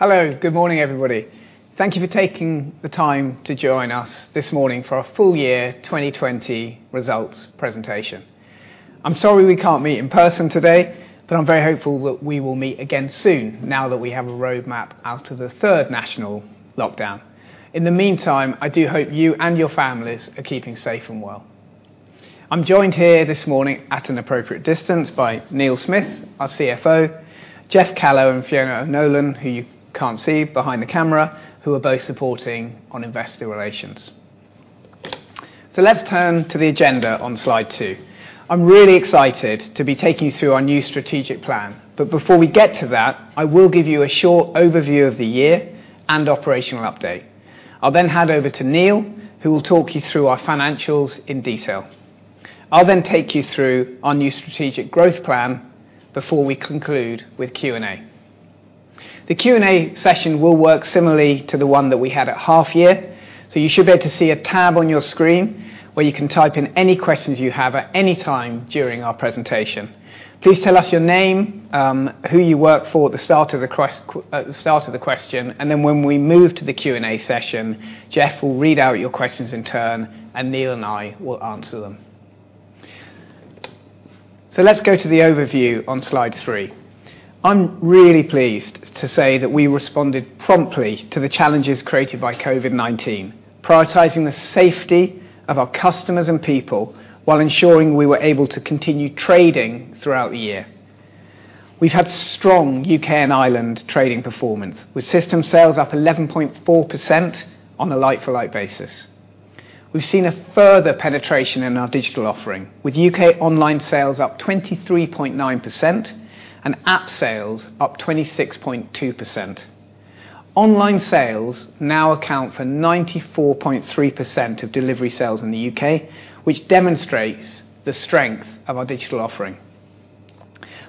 Hello, good morning, everybody. Thank you for taking the time to join us this morning for our full year 2020 results presentation. I'm sorry we can't meet in person today, but I'm very hopeful that we will meet again soon, now that we have a roadmap out of the third national lockdown. In the meantime, I do hope you and your families are keeping safe and well. I'm joined here this morning at an appropriate distance by Neil Smith, our CFO, Geoff Callow, and Fiona Nolan, who you can't see behind the camera, who are both supporting on investor relations. So let's turn to the agenda on slide two. I'm really excited to be taking you through our new strategic plan. But before we get to that, I will give you a short overview of the year and operational update. I'll then hand over to Neil, who will talk you through our financials in detail. I'll then take you through our new strategic growth plan before we conclude with Q&A. The Q&A session will work similarly to the one that we had at half year. So you should be able to see a tab on your screen where you can type in any questions you have at any time during our presentation. Please tell us your name, who you work for at the start of the question, and then when we move to the Q&A session, Geoff will read out your questions in turn, and Neil and I will answer them. So let's go to the overview on slide three. I'm really pleased to say that we responded promptly to the challenges created by COVID-19, prioritizing the safety of our customers and people while ensuring we were able to continue trading throughout the year. We've had strong U.K. and Ireland trading performance, with system sales up 11.4% on a like-for-like basis. We've seen a further penetration in our digital offering, with U.K. online sales up 23.9% and app sales up 26.2%. Online sales now account for 94.3% of delivery sales in the U.K., which demonstrates the strength of our digital offering.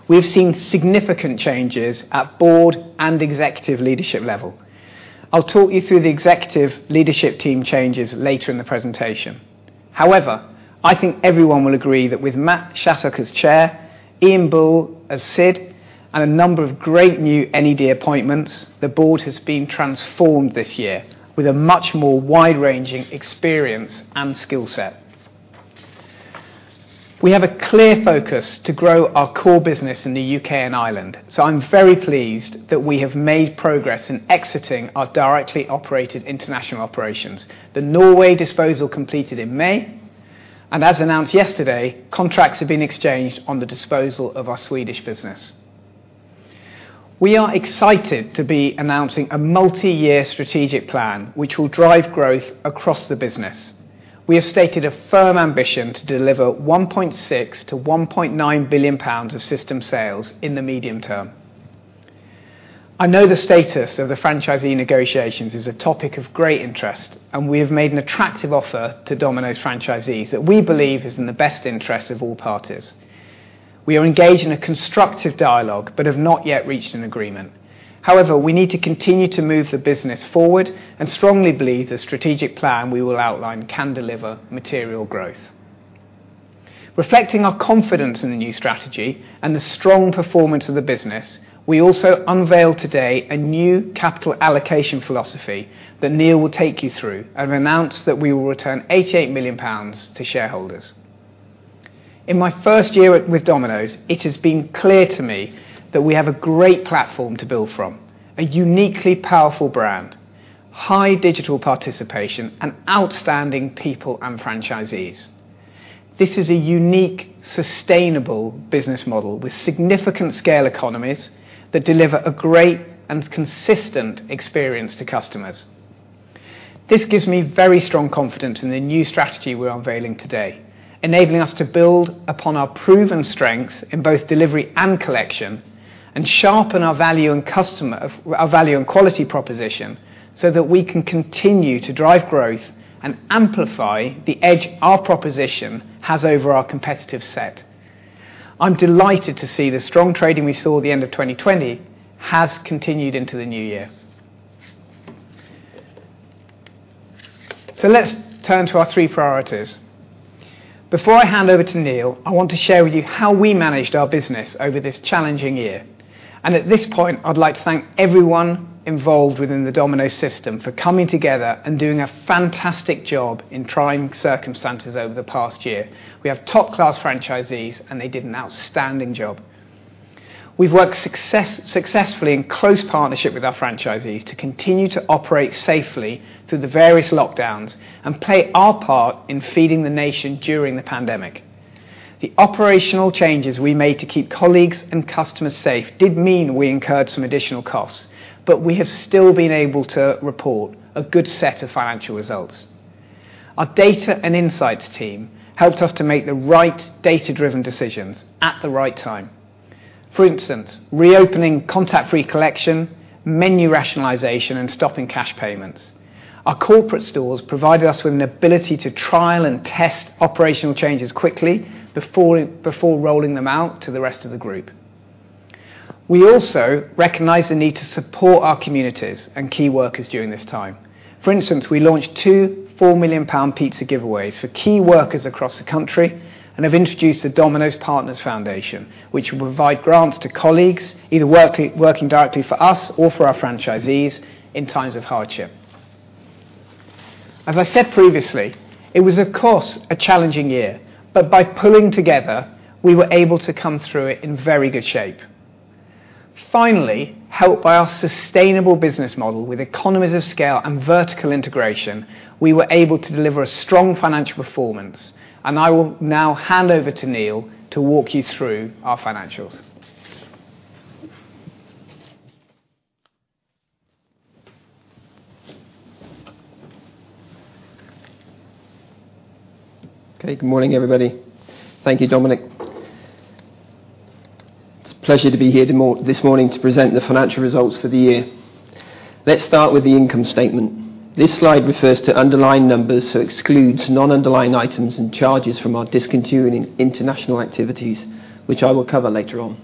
We've seen significant changes at board and executive leadership level. I'll talk you through the executive leadership team changes later in the presentation. However, I think everyone will agree that with Matt Shattock as chair, Ian Bull as SID, and a number of great new NED appointments, the board has been transformed this year with a much more wide-ranging experience and skill set. We have a clear focus to grow our core business in the U.K. and Ireland, so I'm very pleased that we have made progress in exiting our directly operated international operations. The Norway disposal completed in May, and as announced yesterday, contracts have been exchanged on the disposal of our Swedish business. We are excited to be announcing a multi-year strategic plan, which will drive growth across the business. We have stated a firm ambition to deliver 1.6 billion-1.9 billion pounds of system sales in the medium term. I know the status of the franchisee negotiations is a topic of great interest, and we have made an attractive offer to Domino's franchisees that we believe is in the best interest of all parties. We are engaged in a constructive dialogue but have not yet reached an agreement. However, we need to continue to move the business forward and strongly believe the strategic plan we will outline can deliver material growth. Reflecting our confidence in the new strategy and the strong performance of the business, we also unveil today a new capital allocation philosophy that Neil will take you through and announce that we will return 88 million pounds to shareholders. In my first year with Domino's, it has been clear to me that we have a great platform to build from, a uniquely powerful brand, high digital participation, and outstanding people and franchisees. This is a unique, sustainable business model with significant scale economies that deliver a great and consistent experience to customers. This gives me very strong confidence in the new strategy we're unveiling today, enabling us to build upon our proven strengths in both delivery and collection and sharpen our value and quality proposition so that we can continue to drive growth and amplify the edge our proposition has over our competitive set. I'm delighted to see the strong trading we saw at the end of 2020 has continued into the new year, so let's turn to our three priorities. Before I hand over to Neil, I want to share with you how we managed our business over this challenging year, and at this point, I'd like to thank everyone involved within the Domino's system for coming together and doing a fantastic job in trying circumstances over the past year. We have top-class franchisees, and they did an outstanding job. We've worked successfully in close partnership with our franchisees to continue to operate safely through the various lockdowns and play our part in feeding the nation during the pandemic. The operational changes we made to keep colleagues and customers safe did mean we incurred some additional costs, but we have still been able to report a good set of financial results. Our data and insights team helped us to make the right data-driven decisions at the right time. For instance, reopening contact-free collection, menu rationalization, and stopping cash payments. Our corporate stores provided us with an ability to trial and test operational changes quickly before rolling them out to the rest of the group. We also recognize the need to support our communities and key workers during this time. For instance, we launched two 4 million pound pizza giveaways for key workers across the country and have introduced the Domino's Partners Foundation, which will provide grants to colleagues, either working directly for us or for our franchisees in times of hardship. As I said previously, it was, of course, a challenging year, but by pulling together, we were able to come through it in very good shape. Finally, helped by our sustainable business model with economies of scale and vertical integration, we were able to deliver a strong financial performance, and I will now hand over to Neil to walk you through our financials. Okay, good morning, everybody. Thank you, Dominic. It's a pleasure to be here this morning to present the financial results for the year. Let's start with the income statement. This slide refers to underlying numbers, so it excludes non-underlying items and charges from our discontinuing international activities, which I will cover later on.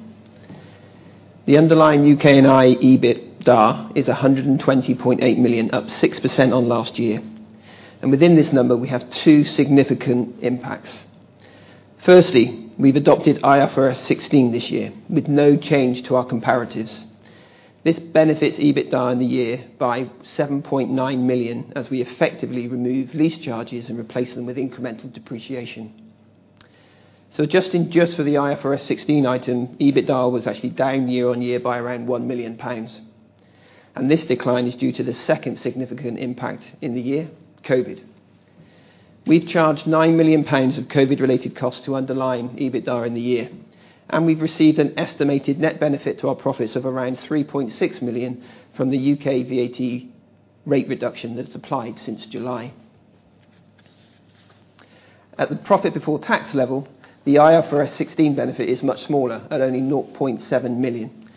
The underlying U.K. & I EBITDA is 120.8 million, up 6% on last year. And within this number, we have two significant impacts. Firstly, we've adopted IFRS 16 this year with no change to our comparatives. This benefits EBITDA in the year by 7.9 million as we effectively remove lease charges and replace them with incremental depreciation. So just for the IFRS 16 item, EBITDA was actually down year-on-year by around 1 million pounds. And this decline is due to the second significant impact in the year, COVID. We've charged 9 million pounds of COVID-related costs to underlying EBITDA in the year. And we've received an estimated net benefit to our profits of around 3.6 million from the U.K. VAT rate reduction that's applied since July. At the profit before tax level, the IFRS 16 benefit is much smaller, at only 0.7 million.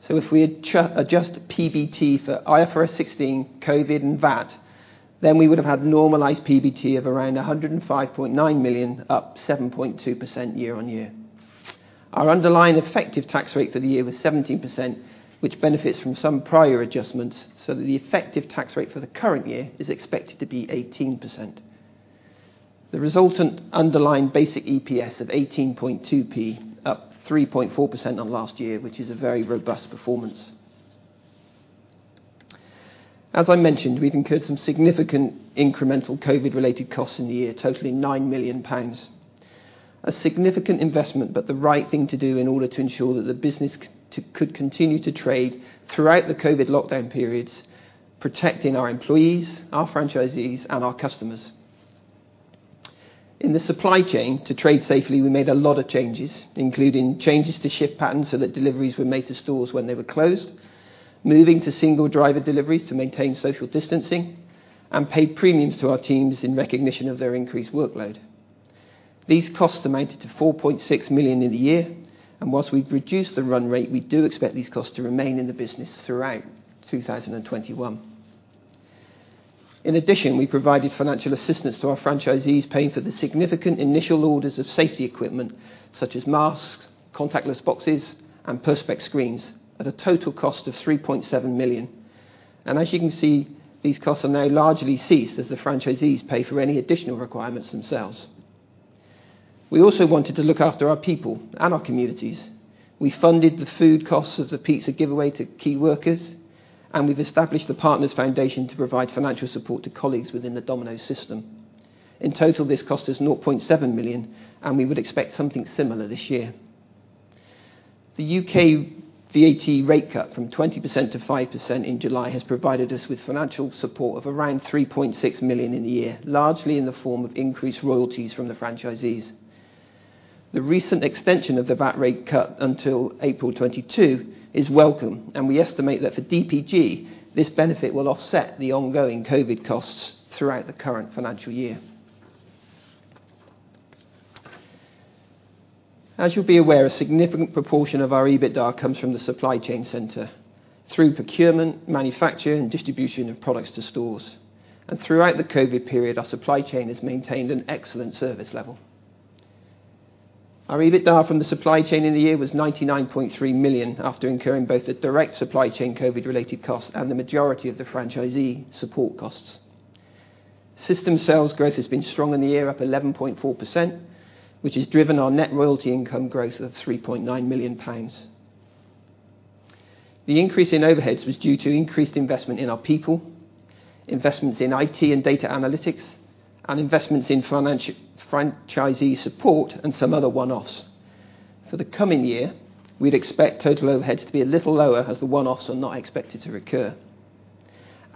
So if we adjust PBT for IFRS 16, COVID, and VAT, then we would have had normalized PBT of around 105.9 million, up 7.2% year-on-year. Our underlying effective tax rate for the year was 17%, which benefits from some prior adjustments, so that the effective tax rate for the current year is expected to be 18%. The resultant underlying basic EPS of 18.2, up 3.4% on last year, which is a very robust performance. As I mentioned, we've incurred some significant incremental COVID-related costs in the year, totaling 9 million pounds. A significant investment, but the right thing to do in order to ensure that the business could continue to trade throughout the COVID lockdown periods, protecting our employees, our franchisees, and our customers. In the supply chain, to trade safely, we made a lot of changes, including changes to shift patterns so that deliveries were made to stores when they were closed, moving to single driver deliveries to maintain social distancing, and paid premiums to our teams in recognition of their increased workload. These costs amounted to 4.6 million in the year. And whilst we've reduced the run rate, we do expect these costs to remain in the business throughout 2021. In addition, we provided financial assistance to our franchisees, paying for the significant initial orders of safety equipment, such as masks, contactless boxes, and Perspex screens, at a total cost of 3.7 million. As you can see, these costs are now largely ceased as the franchisees pay for any additional requirements themselves. We also wanted to look after our people and our communities. We funded the food costs of the pizza giveaway to key workers, and we've established the Partners Foundation to provide financial support to colleagues within the Domino's system. In total, this cost is 0.7 million, and we would expect something similar this year. The U.K. VAT rate cut from 20% to 5% in July has provided us with financial support of around 3.6 million in the year, largely in the form of increased royalties from the franchisees. The recent extension of the VAT rate cut until April 2022 is welcome, and we estimate that for DPG, this benefit will offset the ongoing COVID costs throughout the current financial year. As you'll be aware, a significant proportion of our EBITDA comes from the supply chain center through procurement, manufacture, and distribution of products to stores. Throughout the COVID period, our supply chain has maintained an excellent service level. Our EBITDA from the supply chain in the year was 99.3 million after incurring both the direct supply chain COVID-related costs and the majority of the franchisee support costs. System sales growth has been strong in the year, up 11.4%, which has driven our net royalty income growth of 3.9 million pounds. The increase in overheads was due to increased investment in our people, investments in IT and data analytics, and investments in franchisee support and some other one-offs. For the coming year, we'd expect total overhead to be a little lower as the one-offs are not expected to recur.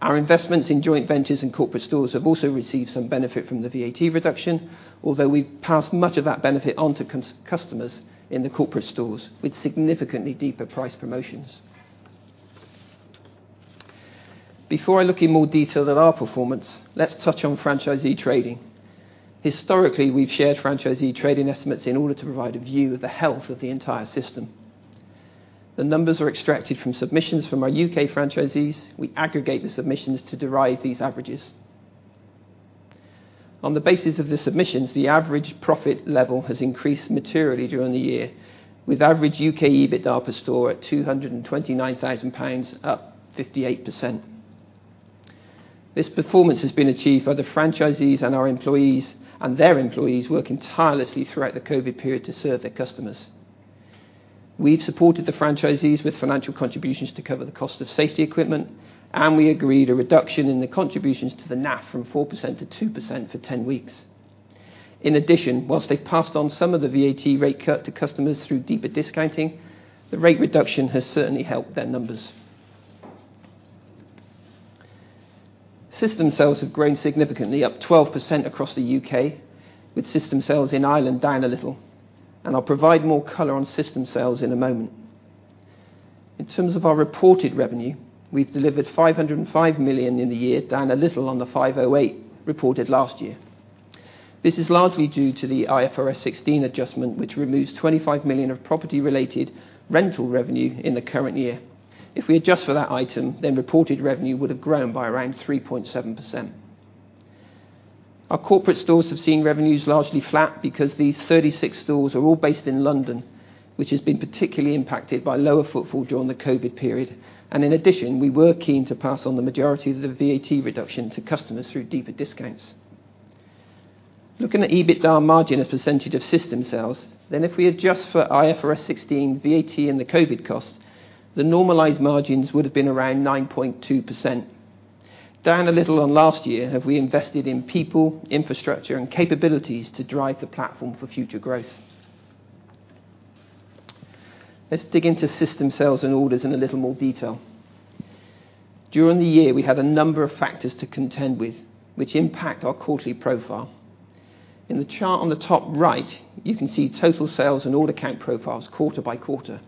Our investments in joint ventures and corporate stores have also received some benefit from the VAT reduction, although we've passed much of that benefit on to customers in the corporate stores with significantly deeper price promotions. Before I look in more detail at our performance, let's touch on franchisee trading. Historically, we've shared franchisee trading estimates in order to provide a view of the health of the entire system. The numbers are extracted from submissions from our U.K. franchisees. We aggregate the submissions to derive these averages. On the basis of the submissions, the average profit level has increased materially during the year, with average U.K. EBITDA per store at 229,000 pounds, up 58%. This performance has been achieved by the franchisees and our employees, and their employees working tirelessly throughout the COVID period to serve their customers. We've supported the franchisees with financial contributions to cover the cost of safety equipment, and we agreed a reduction in the contributions to the NAF from 4% to 2% for 10 weeks. In addition, whilst they've passed on some of the VAT rate cut to customers through deeper discounting, the rate reduction has certainly helped their numbers. System sales have grown significantly, up 12% across the U.K., with system sales in Ireland down a little. And I'll provide more color on system sales in a moment. In terms of our reported revenue, we've delivered 505 million in the year, down a little on the 508 million reported last year. This is largely due to the IFRS 16 adjustment, which removes 25 million of property-related rental revenue in the current year. If we adjust for that item, then reported revenue would have grown by around 3.7%. Our corporate stores have seen revenues largely flat because these 36 stores are all based in London, which has been particularly impacted by lower footfall during the COVID period, and in addition, we were keen to pass on the majority of the VAT reduction to customers through deeper discounts. Looking at EBITDA margin as percentage of system sales, then if we adjust for IFRS 16, VAT, and the COVID cost, the normalized margins would have been around 9.2%. Down a little on last year, have we invested in people, infrastructure, and capabilities to drive the platform for future growth? Let's dig into system sales and orders in a little more detail. During the year, we had a number of factors to contend with, which impact our quarterly profile. In the chart on the top right, you can see total sales and order count profiles quarter by quarter.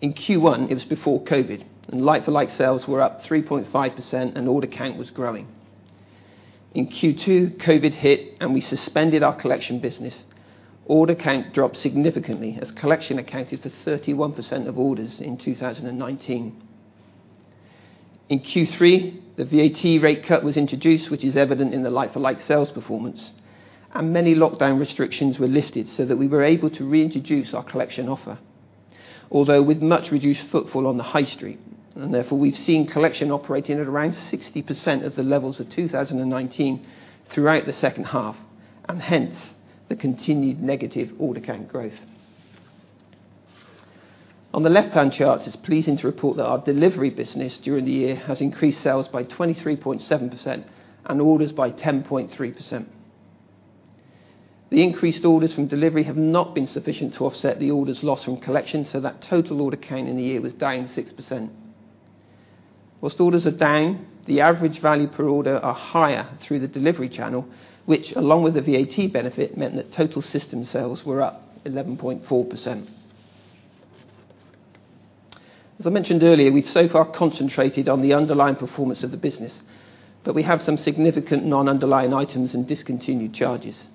In Q1, it was before COVID, and like-for-like sales were up 3.5%, and order count was growing. In Q2, COVID hit, and we suspended our collection business. Order count dropped significantly as collection accounted for 31% of orders in 2019. In Q3, the VAT rate cut was introduced, which is evident in the like-for-like sales performance, and many lockdown restrictions were lifted so that we were able to reintroduce our collection offer, although with much reduced footfall on the high street. And therefore, we've seen collection operating at around 60% of the levels of 2019 throughout the second half, and hence the continued negative order count growth. On the left-hand chart, it's pleasing to report that our delivery business during the year has increased sales by 23.7% and orders by 10.3%. The increased orders from delivery have not been sufficient to offset the orders lost from collection, so that total order count in the year was down 6%. While orders are down, the average value per order is higher through the delivery channel, which, along with the VAT benefit, meant that total system sales were up 11.4%. As I mentioned earlier, we've so far concentrated on the underlying performance of the business, but we have some significant non-underlying items and discontinued charges.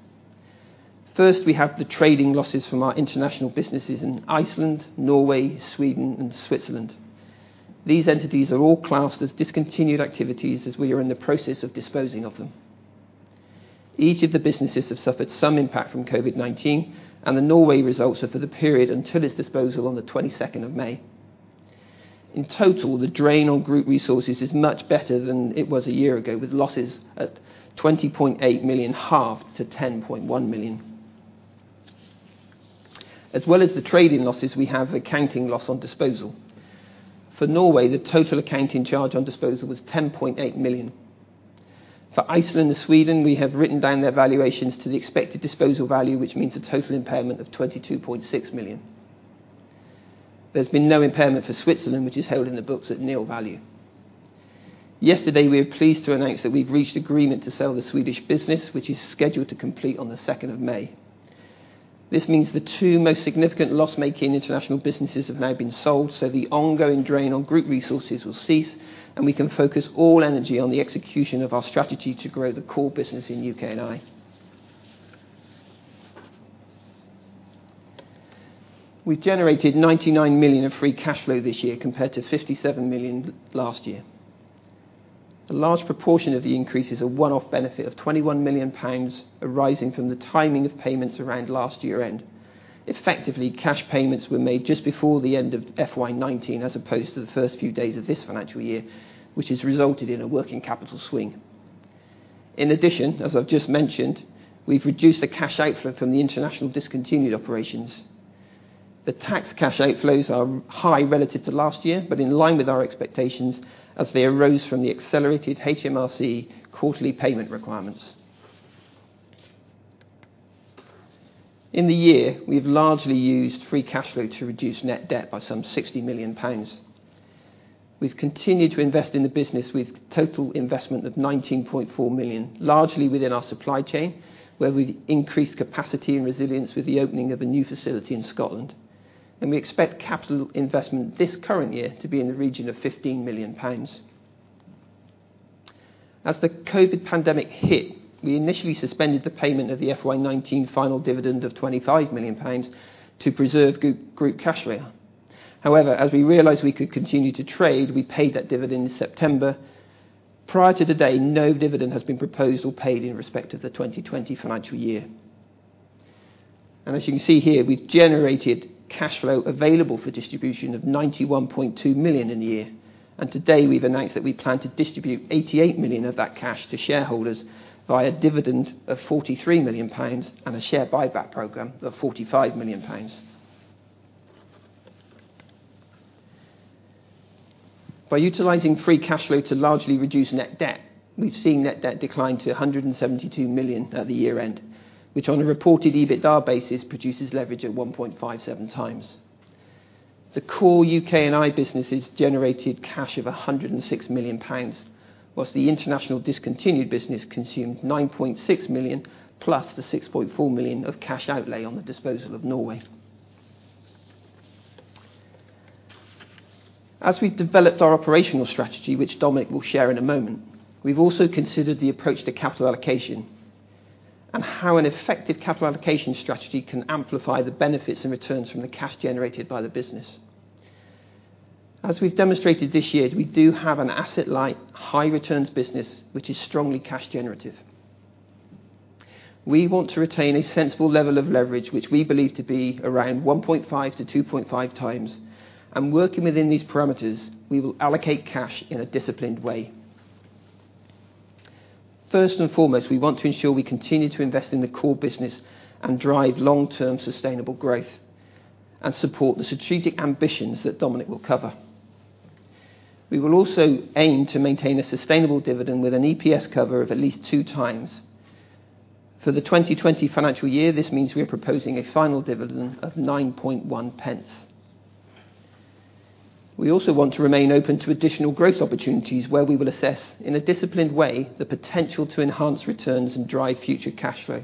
First, we have the trading losses from our international businesses in Iceland, Norway, Sweden, and Switzerland. These entities are all classed as discontinued activities as we are in the process of disposing of them. Each of the businesses has suffered some impact from COVID-19, and the Norway results are for the period until its disposal on the 22nd of May. In total, the drain on group resources is much better than it was a year ago, with losses at 20.8 million halved to 10.1 million. As well as the trading losses, we have accounting loss on disposal. For Norway, the total accounting charge on disposal was 10.8 million. For Iceland and Sweden, we have written down their valuations to the expected disposal value, which means a total impairment of 22.6 million. There's been no impairment for Switzerland, which is held in the books at nil value. Yesterday, we were pleased to announce that we've reached agreement to sell the Swedish business, which is scheduled to complete on the 2nd of May. This means the two most significant loss-making international businesses have now been sold, so the ongoing drain on group resources will cease, and we can focus all energy on the execution of our strategy to grow the core business in the U.K. & I. We've generated 99 million of free cash flow this year compared to 57 million last year. A large proportion of the increase is a one-off benefit of 21 million pounds arising from the timing of payments around last year-end. Effectively, cash payments were made just before the end of FY 2019 as opposed to the first few days of this financial year, which has resulted in a working capital swing. In addition, as I've just mentioned, we've reduced the cash outflow from the international discontinued operations. The tax cash outflows are high relative to last year, but in line with our expectations as they arose from the accelerated HMRC quarterly payment requirements. In the year, we've largely used free cash flow to reduce net debt by some 60 million pounds. We've continued to invest in the business with total investment of 19.4 million, largely within our supply chain, where we've increased capacity and resilience with the opening of a new facility in Scotland. And we expect capital investment this current year to be in the region of 15 million pounds. As the COVID pandemic hit, we initially suspended the payment of the FY 2019 final dividend of 25 million pounds to preserve group cash rate. However, as we realized we could continue to trade, we paid that dividend in September. Prior to today, no dividend has been proposed or paid in respect of the 2020 financial year. As you can see here, we've generated cash flow available for distribution of 91.2 million in a year. And today, we've announced that we plan to distribute 88 million of that cash to shareholders via a dividend of 43 million pounds and a share buyback program of 45 million pounds. By utilizing free cash flow to largely reduce net debt, we've seen net debt decline to 172 million at the year-end, which on a reported EBITDA basis produces leverage at 1.57x. The core U.K. & I businesses generated cash of 106 million pounds, while the international discontinued business consumed 9.6 million plus the 6.4 million of cash outlay on the disposal of Norway. As we've developed our operational strategy, which Dominic will share in a moment, we've also considered the approach to capital allocation and how an effective capital allocation strategy can amplify the benefits and returns from the cash generated by the business. As we've demonstrated this year, we do have an asset-light, high-returns business, which is strongly cash generative. We want to retain a sensible level of leverage, which we believe to be around 1.5-2.5x, and working within these parameters, we will allocate cash in a disciplined way. First and foremost, we want to ensure we continue to invest in the core business and drive long-term sustainable growth and support the strategic ambitions that Dominic will cover. We will also aim to maintain a sustainable dividend with an EPS cover of at least two times. For the 2020 financial year, this means we are proposing a final dividend of 0.091. We also want to remain open to additional growth opportunities where we will assess in a disciplined way the potential to enhance returns and drive future cash flow.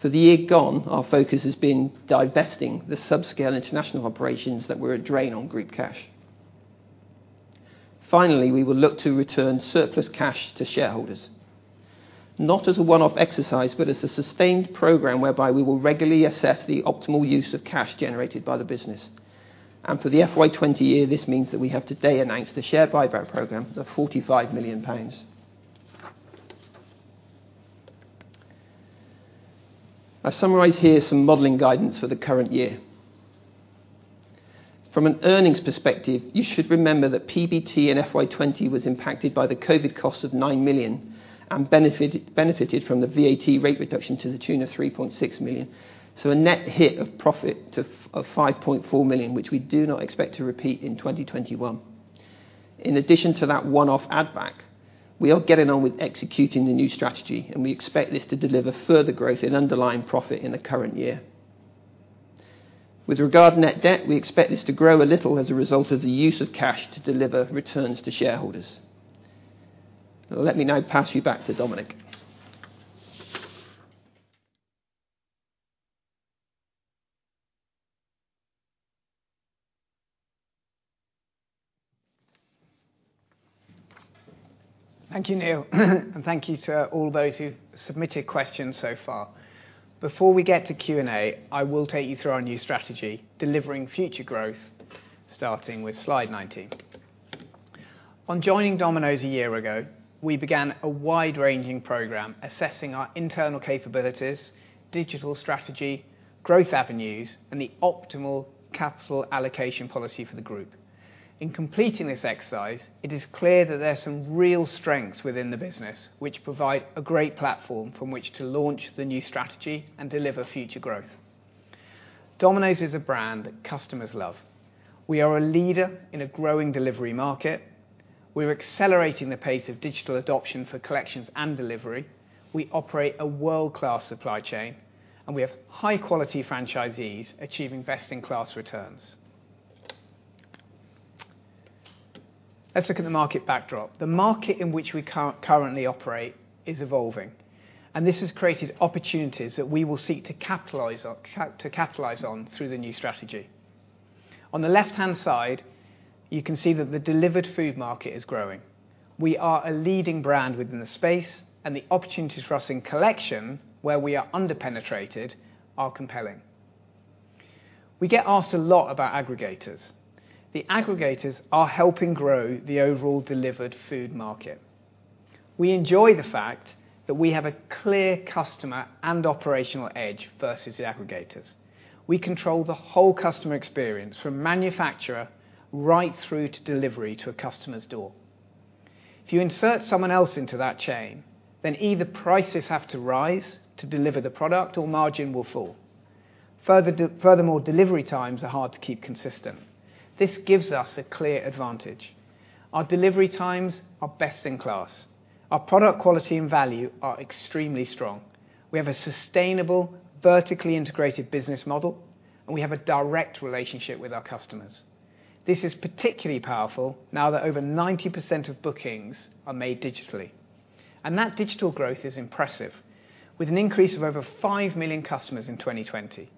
For the year gone, our focus has been divesting the subscale international operations that were a drain on group cash. Finally, we will look to return surplus cash to shareholders, not as a one-off exercise, but as a sustained program whereby we will regularly assess the optimal use of cash generated by the business, and for the FY 2020 year, this means that we have today announced a share buyback program of 45 million pounds. I summarize here some modeling guidance for the current year. From an earnings perspective, you should remember that PBT in FY 2020 was impacted by the COVID cost of 9 million and benefited from the VAT rate reduction to the tune of 3.6 million. So a net hit of profit of 5.4 million, which we do not expect to repeat in 2021. In addition to that one-off add-back, we are getting on with executing the new strategy, and we expect this to deliver further growth in underlying profit in the current year. With regard to net debt, we expect this to grow a little as a result of the use of cash to deliver returns to shareholders. Let me now pass you back to Dominic. Thank you, Neil. And thank you to all those who've submitted questions so far. Before we get to Q&A, I will take you through our new strategy, delivering future growth, starting with slide 19. On joining Domino's a year ago, we began a wide-ranging program assessing our internal capabilities, digital strategy, growth avenues, and the optimal capital allocation policy for the group. In completing this exercise, it is clear that there are some real strengths within the business, which provide a great platform from which to launch the new strategy and deliver future growth. Domino's is a brand that customers love. We are a leader in a growing delivery market. We're accelerating the pace of digital adoption for collections and delivery. We operate a world-class supply chain, and we have high-quality franchisees achieving best-in-class returns. Let's look at the market backdrop. The market in which we currently operate is evolving, and this has created opportunities that we will seek to capitalize on through the new strategy. On the left-hand side, you can see that the delivered food market is growing. We are a leading brand within the space, and the opportunities for us in collection, where we are underpenetrated, are compelling. We get asked a lot about aggregators. The aggregators are helping grow the overall delivered food market. We enjoy the fact that we have a clear customer and operational edge versus the aggregators. We control the whole customer experience from manufacturer right through to delivery to a customer's door. If you insert someone else into that chain, then either prices have to rise to deliver the product or margin will fall. Furthermore, delivery times are hard to keep consistent. This gives us a clear advantage. Our delivery times are best in class. Our product quality and value are extremely strong. We have a sustainable, vertically integrated business model, and we have a direct relationship with our customers. This is particularly powerful now that over 90% of bookings are made digitally, and that digital growth is impressive, with an increase of over five million customers in 2020.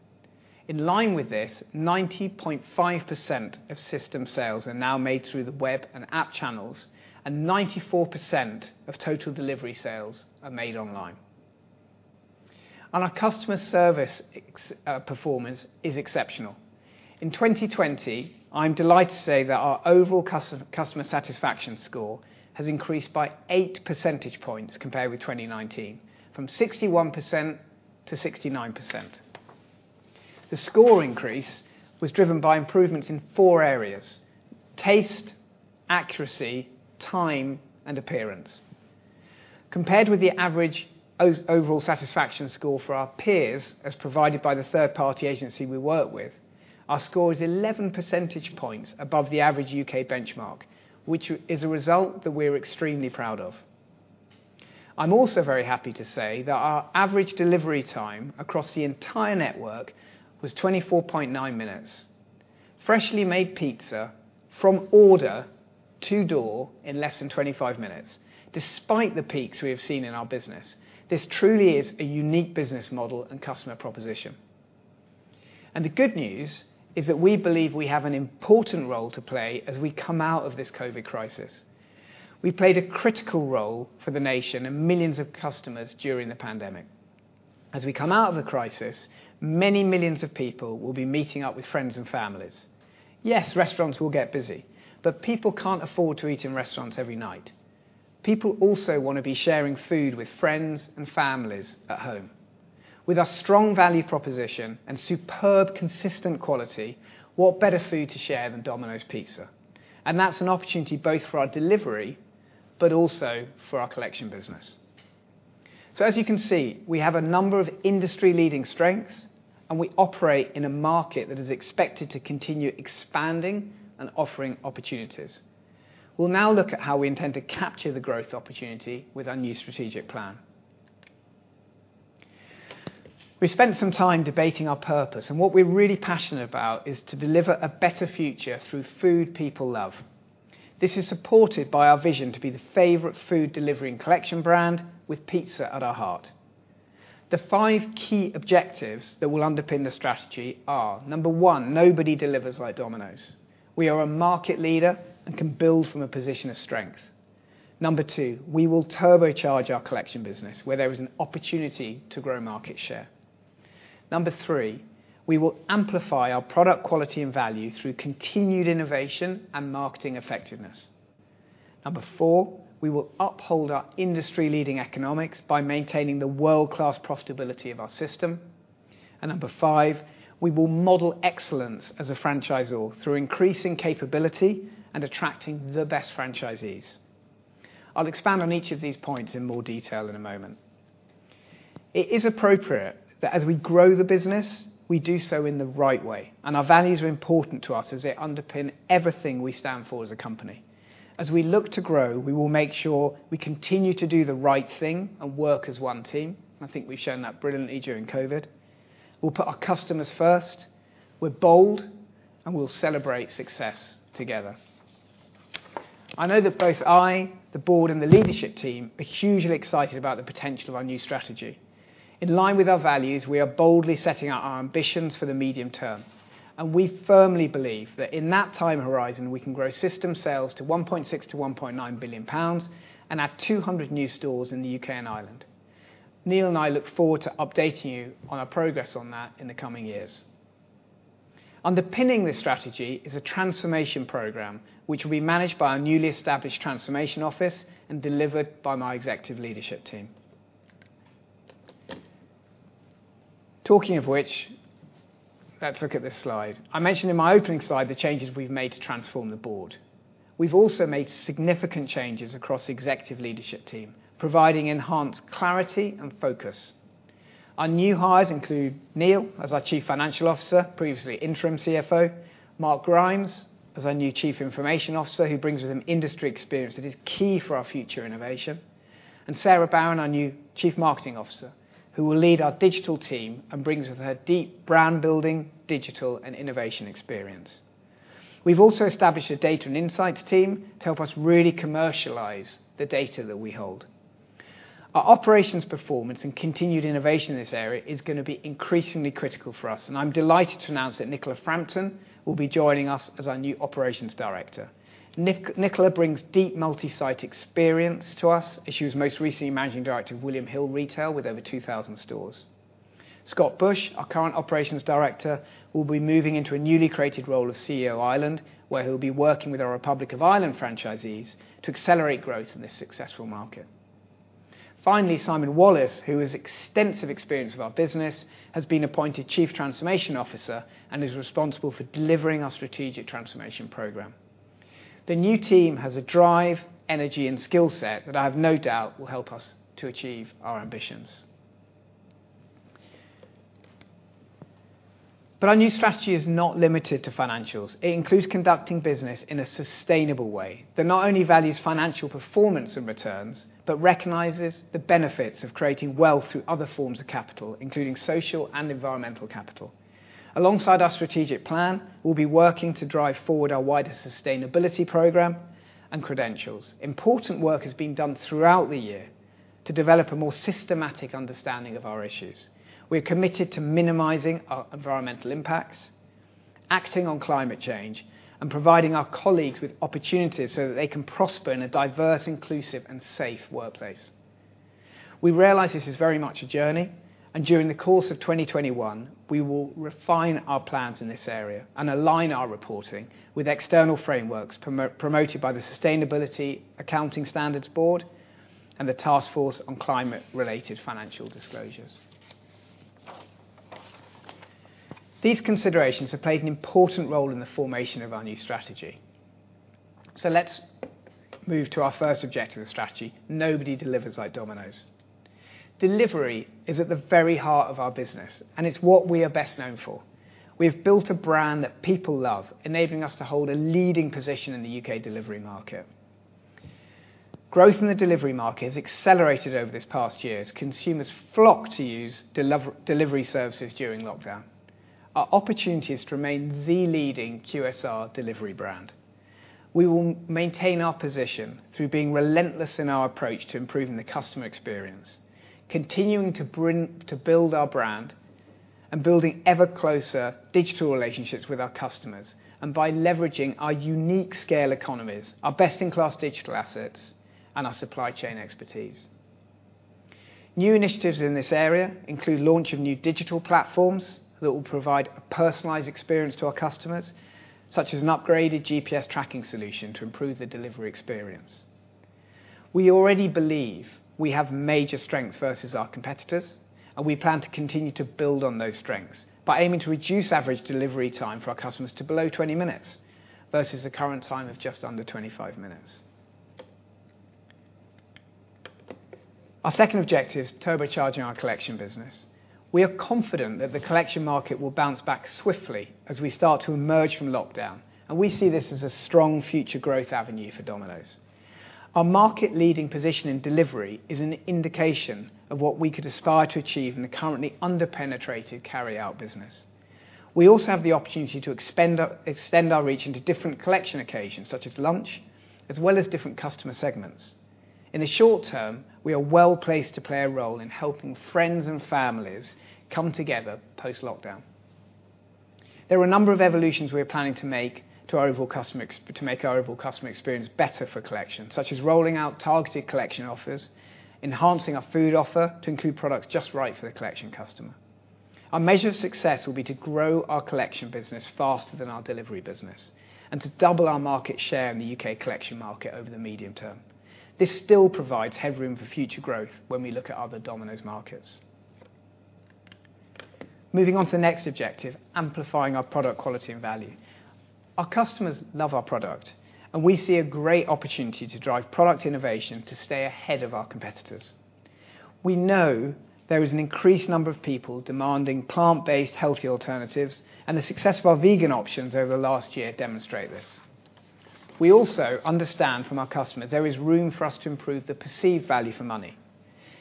In line with this, 90.5% of system sales are now made through the web and app channels, and 94% of total delivery sales are made online. Our customer service performance is exceptional. In 2020, I'm delighted to say that our overall customer satisfaction score has increased by 8 percentage points compared with 2019, from 61% to 69%. The score increase was driven by improvements in four areas: taste, accuracy, time, and appearance. Compared with the average overall satisfaction score for our peers as provided by the third-party agency we work with, our score is 11 percentage points above the average U.K. benchmark, which is a result that we're extremely proud of. I'm also very happy to say that our average delivery time across the entire network was 24.9 minutes. Freshly made pizza from order to door in less than 25 minutes, despite the peaks we have seen in our business. This truly is a unique business model and customer proposition. And the good news is that we believe we have an important role to play as we come out of this COVID crisis. We played a critical role for the nation and millions of customers during the pandemic. As we come out of the crisis, many millions of people will be meeting up with friends and families. Yes, restaurants will get busy, but people can't afford to eat in restaurants every night. People also want to be sharing food with friends and families at home. With our strong value proposition and superb consistent quality, what better food to share than Domino's Pizza? And that's an opportunity both for our delivery but also for our collection business. So, as you can see, we have a number of industry-leading strengths, and we operate in a market that is expected to continue expanding and offering opportunities. We'll now look at how we intend to capture the growth opportunity with our new strategic plan. We spent some time debating our purpose, and what we're really passionate about is to deliver a better future through food people love. This is supported by our vision to be the favorite food delivery and collection brand with pizza at our heart. The five key objectives that will underpin the strategy are: Number one, nobody delivers like Domino's. We are a market leader and can build from a position of strength. Number two, we will turbocharge our collection business where there is an opportunity to grow market share. Number three, we will amplify our product quality and value through continued innovation and marketing effectiveness. Number four, we will uphold our industry-leading economics by maintaining the world-class profitability of our system. And number five, we will model excellence as a franchisor through increasing capability and attracting the best franchisees. I'll expand on each of these points in more detail in a moment. It is appropriate that as we grow the business, we do so in the right way. And our values are important to us as they underpin everything we stand for as a company. As we look to grow, we will make sure we continue to do the right thing and work as one team. I think we've shown that brilliantly during COVID. We'll put our customers first. We're bold, and we'll celebrate success together. I know that both I, the board, and the leadership team are hugely excited about the potential of our new strategy. In line with our values, we are boldly setting our ambitions for the medium term. And we firmly believe that in that time horizon, we can grow system sales to 1.6 billion-1.9 billion pounds and add 200 new stores in the U.K. and Ireland. Neil and I look forward to updating you on our progress on that in the coming years. Underpinning this strategy is a transformation program, which will be managed by our newly established transformation office and delivered by my executive leadership team. Talking of which, let's look at this slide. I mentioned in my opening slide the changes we've made to transform the board. We've also made significant changes across the executive leadership team, providing enhanced clarity and focus. Our new hires include Neil as our Chief Financial Officer, previously interim CFO, Mark Grimes as our new Chief Information Officer, who brings with him industry experience that is key for our future innovation, and Sarah Bowen, our new Chief Marketing Officer, who will lead our digital team and brings with her deep brand-building, digital, and innovation experience. We've also established a data and insights team to help us really commercialize the data that we hold. Our operations performance and continued innovation in this area is going to be increasingly critical for us. I'm delighted to announce that Nicola Frampton will be joining us as our new Operations Director. Nicola brings deep multi-site experience to us, as she was most recently Managing Director of William Hill Retail with over 2,000 stores. Scott Bush, our current Operations Director, will be moving into a newly created role of CEO Ireland, where he'll be working with our Republic of Ireland franchisees to accelerate growth in this successful market. Finally, Simon Wallis, who has extensive experience with our business, has been appointed Chief Transformation Officer and is responsible for delivering our strategic transformation program. The new team has a drive, energy, and skill set that I have no doubt will help us to achieve our ambitions. But our new strategy is not limited to financials. It includes conducting business in a sustainable way that not only values financial performance and returns but recognizes the benefits of creating wealth through other forms of capital, including social and environmental capital. Alongside our strategic plan, we'll be working to drive forward our wider sustainability program and credentials. Important work has been done throughout the year to develop a more systematic understanding of our issues. We're committed to minimizing our environmental impacts, acting on climate change, and providing our colleagues with opportunities so that they can prosper in a diverse, inclusive, and safe workplace. We realize this is very much a journey, and during the course of 2021, we will refine our plans in this area and align our reporting with external frameworks promoted by the Sustainability Accounting Standards Board and the Task Force on Climate-Related Financial Disclosures. These considerations have played an important role in the formation of our new strategy. So let's move to our first objective of the strategy: nobody delivers like Domino's. Delivery is at the very heart of our business, and it's what we are best known for. We have built a brand that people love, enabling us to hold a leading position in the U.K. delivery market. Growth in the delivery market has accelerated over this past year as consumers flocked to use delivery services during lockdown. Our opportunity is to remain the leading QSR delivery brand. We will maintain our position through being relentless in our approach to improving the customer experience, continuing to build our brand, and building ever closer digital relationships with our customers, and by leveraging our unique scale economies, our best-in-class digital assets, and our supply chain expertise. New initiatives in this area include the launch of new digital platforms that will provide a personalized experience to our customers, such as an upgraded GPS tracking solution to improve the delivery experience. We already believe we have major strengths versus our competitors, and we plan to continue to build on those strengths by aiming to reduce average delivery time for our customers to below 20 minutes versus the current time of just under 25 minutes. Our second objective is turbocharging our collection business. We are confident that the collection market will bounce back swiftly as we start to emerge from lockdown, and we see this as a strong future growth avenue for Domino's. Our market-leading position in delivery is an indication of what we could aspire to achieve in the currently underpenetrated carry-out business. We also have the opportunity to extend our reach into different collection occasions, such as lunch, as well as different customer segments. In the short term, we are well placed to play a role in helping friends and families come together post-lockdown. There are a number of evolutions we are planning to make to make our overall customer experience better for collection, such as rolling out targeted collection offers, enhancing our food offer to include products just right for the collection customer. Our measure of success will be to grow our collection business faster than our delivery business and to double our market share in the U.K. collection market over the medium term. This still provides headroom for future growth when we look at other Domino's markets. Moving on to the next objective: amplifying our product quality and value. Our customers love our product, and we see a great opportunity to drive product innovation to stay ahead of our competitors. We know there is an increased number of people demanding plant-based healthy alternatives, and the success of our vegan options over the last year demonstrates this. We also understand from our customers there is room for us to improve the perceived value for money.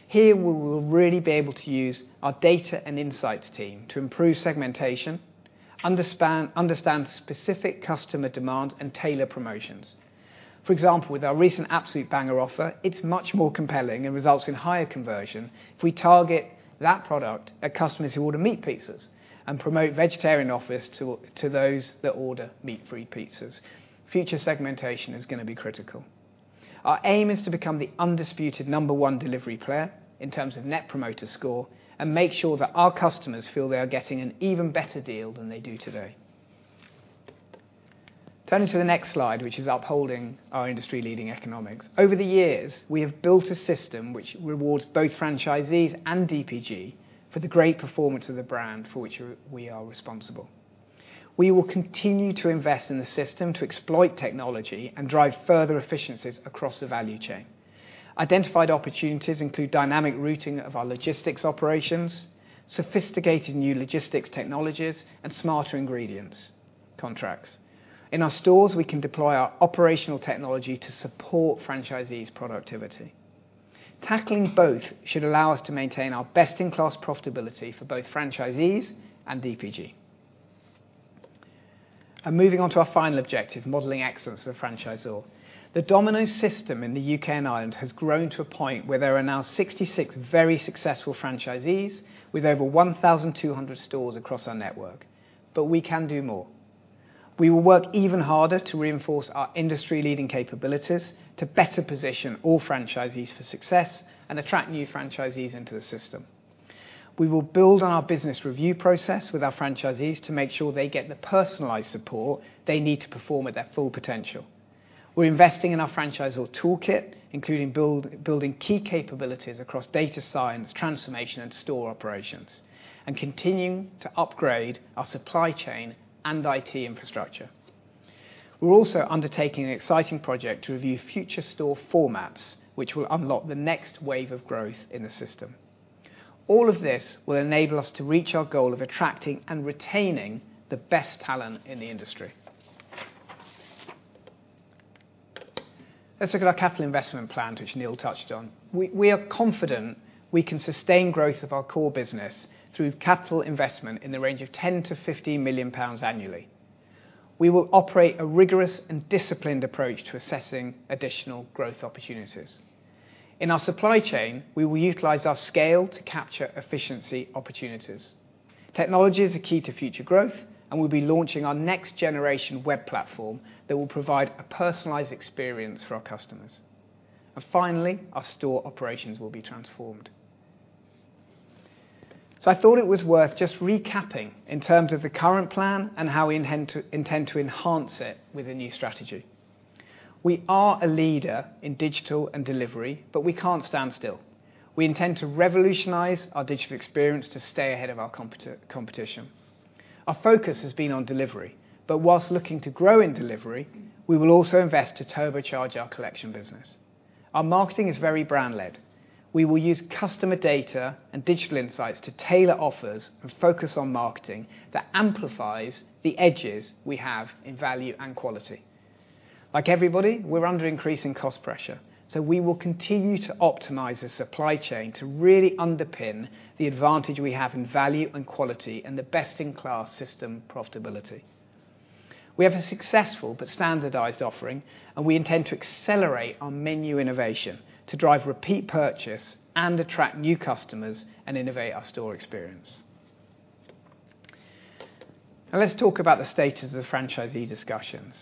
Here, we will really be able to use our data and insights team to improve segmentation, understand specific customer demands, and tailor promotions. For example, with our recent Absolute Banger offer, it's much more compelling and results in higher conversion. If we target that product at customers who order meat pizzas and promote vegetarian offers to those that order meat-free pizzas, future segmentation is going to be critical. Our aim is to become the undisputed number one delivery player in terms of net promoter score and make sure that our customers feel they are getting an even better deal than they do today. Turning to the next slide, which is upholding our industry-leading economics. Over the years, we have built a system which rewards both franchisees and DPG for the great performance of the brand for which we are responsible. We will continue to invest in the system to exploit technology and drive further efficiencies across the value chain. Identified opportunities include dynamic routing of our logistics operations, sophisticated new logistics technologies, and smarter ingredients contracts. In our stores, we can deploy our operational technology to support franchisees' productivity. Tackling both should allow us to maintain our best-in-class profitability for both franchisees and DPG. And moving on to our final objective: modeling excellence as a franchisor. The Domino's system in the U.K. and Ireland has grown to a point where there are now 66 very successful franchisees with over 1,200 stores across our network. But we can do more. We will work even harder to reinforce our industry-leading capabilities to better position all franchisees for success and attract new franchisees into the system. We will build on our business review process with our franchisees to make sure they get the personalized support they need to perform at their full potential. We're investing in our franchisor toolkit, including building key capabilities across data science, transformation, and store operations, and continuing to upgrade our supply chain and IT infrastructure. We're also undertaking an exciting project to review future store formats, which will unlock the next wave of growth in the system. All of this will enable us to reach our goal of attracting and retaining the best talent in the industry. Let's look at our capital investment plan, which Neil touched on. We are confident we can sustain growth of our core business through capital investment in the range of 10 million-15 million pounds annually. We will operate a rigorous and disciplined approach to assessing additional growth opportunities. In our supply chain, we will utilize our scale to capture efficiency opportunities. Technology is a key to future growth, and we'll be launching our next-generation web platform that will provide a personalized experience for our customers. And finally, our store operations will be transformed. So I thought it was worth just recapping in terms of the current plan and how we intend to enhance it with a new strategy. We are a leader in digital and delivery, but we can't stand still. We intend to revolutionize our digital experience to stay ahead of our competition. Our focus has been on delivery, but whilst looking to grow in delivery, we will also invest to turbocharge our collection business. Our marketing is very brand-led. We will use customer data and digital insights to tailor offers and focus on marketing that amplifies the edges we have in value and quality. Like everybody, we're under increasing cost pressure, so we will continue to optimize the supply chain to really underpin the advantage we have in value and quality and the best-in-class system profitability. We have a successful but standardized offering, and we intend to accelerate our menu innovation to drive repeat purchase and attract new customers and innovate our store experience. Now, let's talk about the status of the franchisee discussions.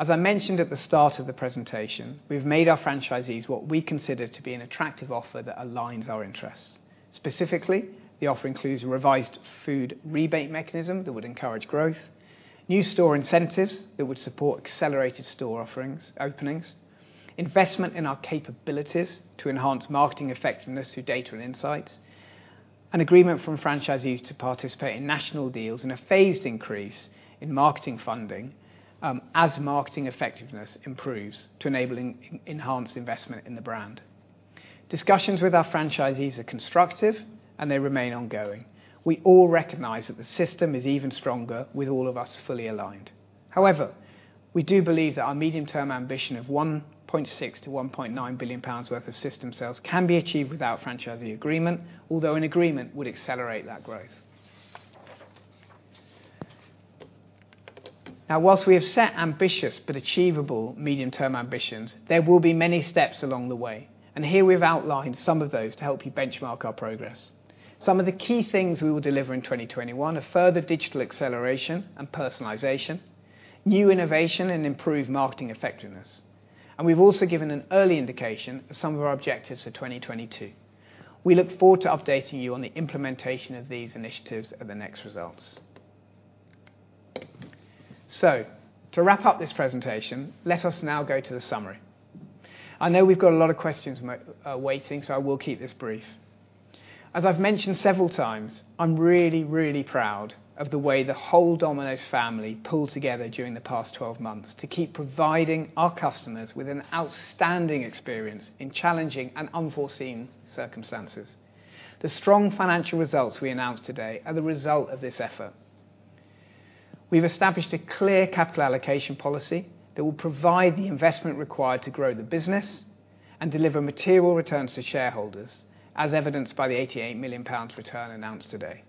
As I mentioned at the start of the presentation, we've made our franchisees what we consider to be an attractive offer that aligns our interests. Specifically, the offer includes a revised food rebate mechanism that would encourage growth, new store incentives that would support accelerated store openings, investment in our capabilities to enhance marketing effectiveness through data and insights, and agreement from franchisees to participate in national deals and a phased increase in marketing funding as marketing effectiveness improves to enhance investment in the brand. Discussions with our franchisees are constructive, and they remain ongoing. We all recognize that the system is even stronger with all of us fully aligned. However, we do believe that our medium-term ambition of 1.6 billion-1.9 billion pounds worth of system sales can be achieved without franchisee agreement, although an agreement would accelerate that growth. Now, whilst we have set ambitious but achievable medium-term ambitions, there will be many steps along the way, and here we've outlined some of those to help you benchmark our progress. Some of the key things we will deliver in 2021 are further digital acceleration and personalization, new innovation, and improved marketing effectiveness. And we've also given an early indication of some of our objectives for 2022. We look forward to updating you on the implementation of these initiatives and the next results. So, to wrap up this presentation, let us now go to the summary. I know we've got a lot of questions waiting, so I will keep this brief. As I've mentioned several times, I'm really, really proud of the way the whole Domino's family pulled together during the past 12 months to keep providing our customers with an outstanding experience in challenging and unforeseen circumstances. The strong financial results we announced today are the result of this effort. We've established a clear capital allocation policy that will provide the investment required to grow the business and deliver material returns to shareholders, as evidenced by the 88 million pounds return announced today.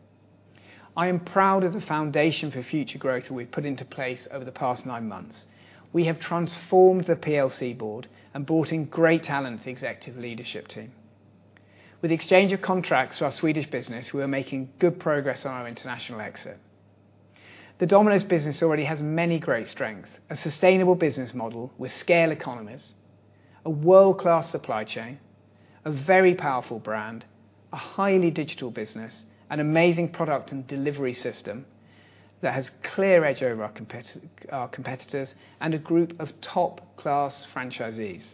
I am proud of the foundation for future growth that we've put into place over the past nine months. We have transformed the PLC board and brought in great talent for the executive leadership team. With the exchange of contracts for our Swedish business, we are making good progress on our international exit. The Domino's business already has many great strengths: a sustainable business model with scale economies, a world-class supply chain, a very powerful brand, a highly digital business, an amazing product and delivery system that has a clear edge over our competitors and a group of top-class franchisees.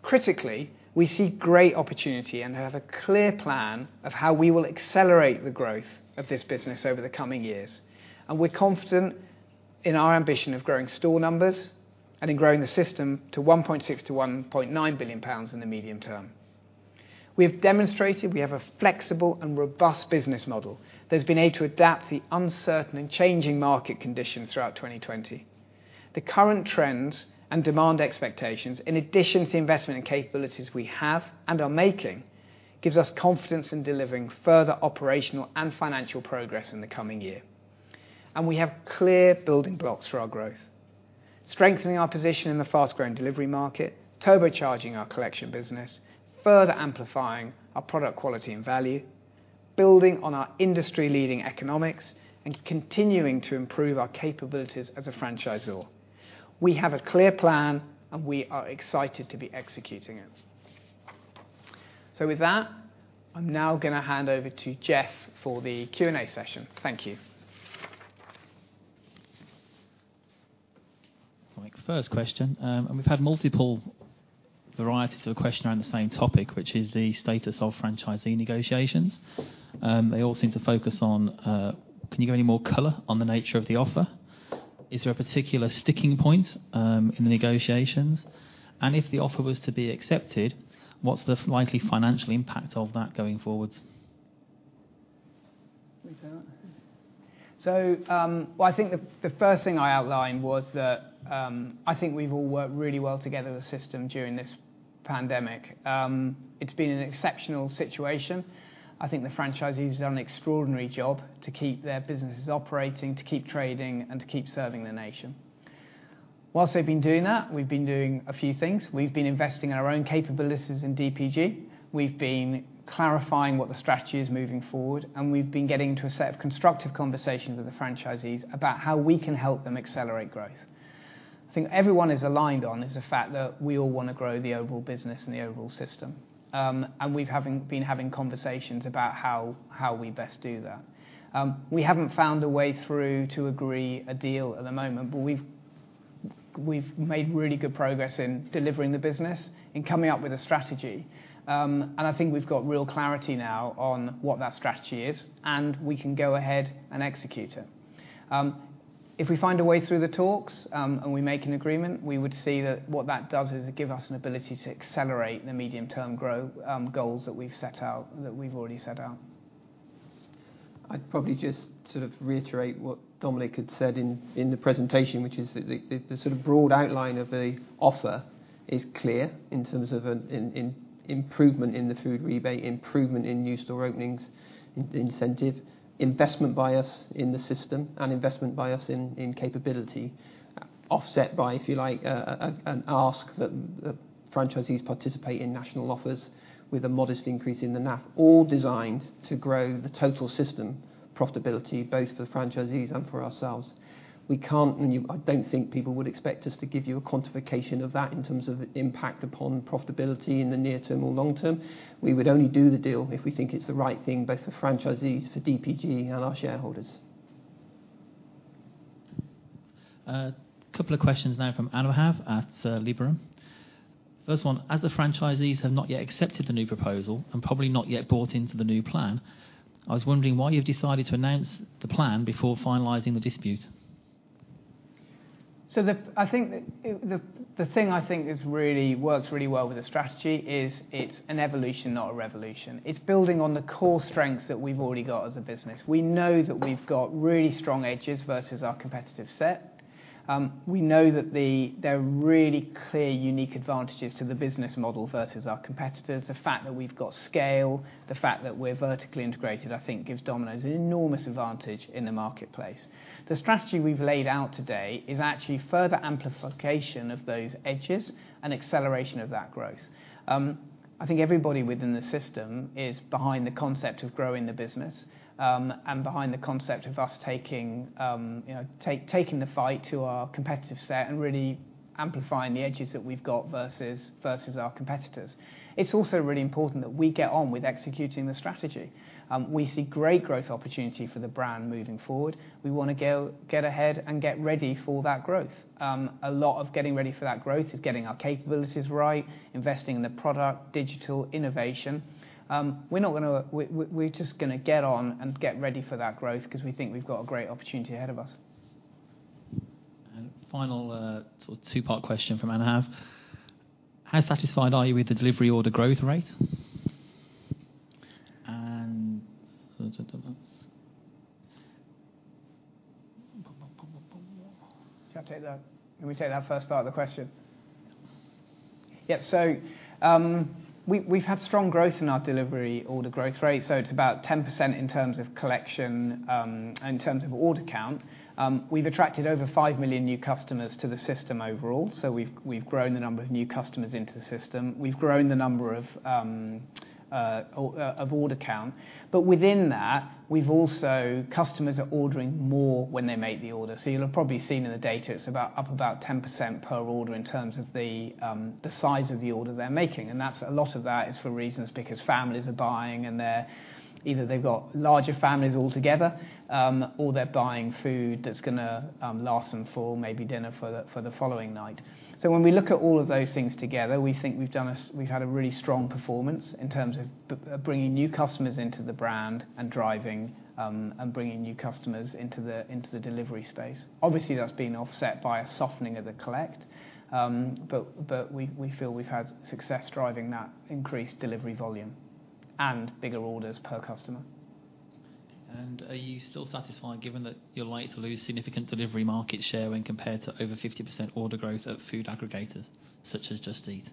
Critically, we see great opportunity and have a clear plan of how we will accelerate the growth of this business over the coming years, and we're confident in our ambition of growing store numbers and in growing the system to 1.6 billion-1.9 billion pounds in the medium term. We have demonstrated we have a flexible and robust business model that has been able to adapt to the uncertain and changing market conditions throughout 2020. The current trends and demand expectations, in addition to the investment and capabilities we have and are making, give us confidence in delivering further operational and financial progress in the coming year, and we have clear building blocks for our growth: strengthening our position in the fast-growing delivery market, turbocharging our collection business, further amplifying our product quality and value, building on our industry-leading economics, and continuing to improve our capabilities as a franchisor. We have a clear plan, and we are excited to be executing it. So with that, I'm now going to hand over to Geoff for the Q&A session. Thank you. My first question, and we've had multiple varieties of questions around the same topic, which is the status of franchisee negotiations. They all seem to focus on: can you give any more color on the nature of the offer? Is there a particular sticking point in the negotiations? And if the offer was to be accepted, what's the likely financial impact of that going forwards? So I think the first thing I outlined was that I think we've all worked really well together as a system during this pandemic. It's been an exceptional situation. I think the franchisees have done an extraordinary job to keep their businesses operating, to keep trading, and to keep serving the nation. Whilst they've been doing that, we've been doing a few things. We've been investing in our own capabilities in DPG. We've been clarifying what the strategy is moving forward, and we've been getting into a set of constructive conversations with the franchisees about how we can help them accelerate growth. I think everyone is aligned on the fact that we all want to grow the overall business and the overall system, and we've been having conversations about how we best do that. We haven't found a way through to agree a deal at the moment, but we've made really good progress in delivering the business and coming up with a strategy. And I think we've got real clarity now on what that strategy is, and we can go ahead and execute it. If we find a way through the talks and we make an agreement, we would see that what that does is give us an ability to accelerate the medium-term growth goals that we've set out, that we've already set out. I'd probably just sort of reiterate what Dominic had said in the presentation, which is that the sort of broad outline of the offer is clear in terms of improvement in the food rebate, improvement in new store openings, incentive, investment bias in the system, and investment bias in capability, offset by, if you like, an ask that franchisees participate in national offers with a modest increase in the NAF, all designed to grow the total system profitability, both for the franchisees and for ourselves. We can't, and I don't think people would expect us to give you a quantification of that in terms of impact upon profitability in the near term or long term. We would only do the deal if we think it's the right thing both for franchisees, for DPG, and our shareholders. A couple of questions now from Wahab at Liberum. First one, as the franchisees have not yet accepted the new proposal and probably not yet bought into the new plan, I was wondering why you've decided to announce the plan before finalizing the dispute. So I think the thing I think works really well with the strategy is it's an evolution, not a revolution. It's building on the core strengths that we've already got as a business. We know that we've got really strong edges versus our competitive set. We know that there are really clear, unique advantages to the business model versus our competitors. The fact that we've got scale, the fact that we're vertically integrated, I think gives Domino's an enormous advantage in the marketplace. The strategy we've laid out today is actually further amplification of those edges and acceleration of that growth. I think everybody within the system is behind the concept of growing the business and behind the concept of us taking the fight to our competitive set and really amplifying the edges that we've got versus our competitors. It's also really important that we get on with executing the strategy. We see great growth opportunity for the brand moving forward. We want to get ahead and get ready for that growth. A lot of getting ready for that growth is getting our capabilities right, investing in the product, digital innovation. We're just going to get on and get ready for that growth because we think we've got a great opportunity ahead of us. And final sort of two-part question from Wahab. How satisfied are you with the delivery order growth rate? And. Can I take that? Can we take that first part of the question? Yeah, so we've had strong growth in our delivery order growth rate, so it's about 10% in terms of collection and in terms of order count. We've attracted over five million new customers to the system overall, so we've grown the number of new customers into the system. We've grown the number of order count. But within that, customers are ordering more when they make the order. So you'll have probably seen in the data it's up about 10% per order in terms of the size of the order they're making. A lot of that is for reasons because families are buying, and either they've got larger families altogether or they're buying food that's going to last them for maybe dinner for the following night. So when we look at all of those things together, we think we've had a really strong performance in terms of bringing new customers into the brand and driving new customers into the delivery space. Obviously, that's been offset by a softening of the collect, but we feel we've had success driving that increased delivery volume and bigger orders per customer. Are you still satisfied given that you're likely to lose significant delivery market share when compared to over 50% order growth at food aggregators such as Just Eat?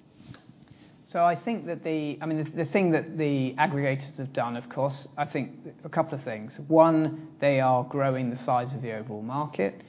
So I think that, I mean, the thing that the aggregators have done, of course. I think a couple of things. One, they are growing the size of the overall market.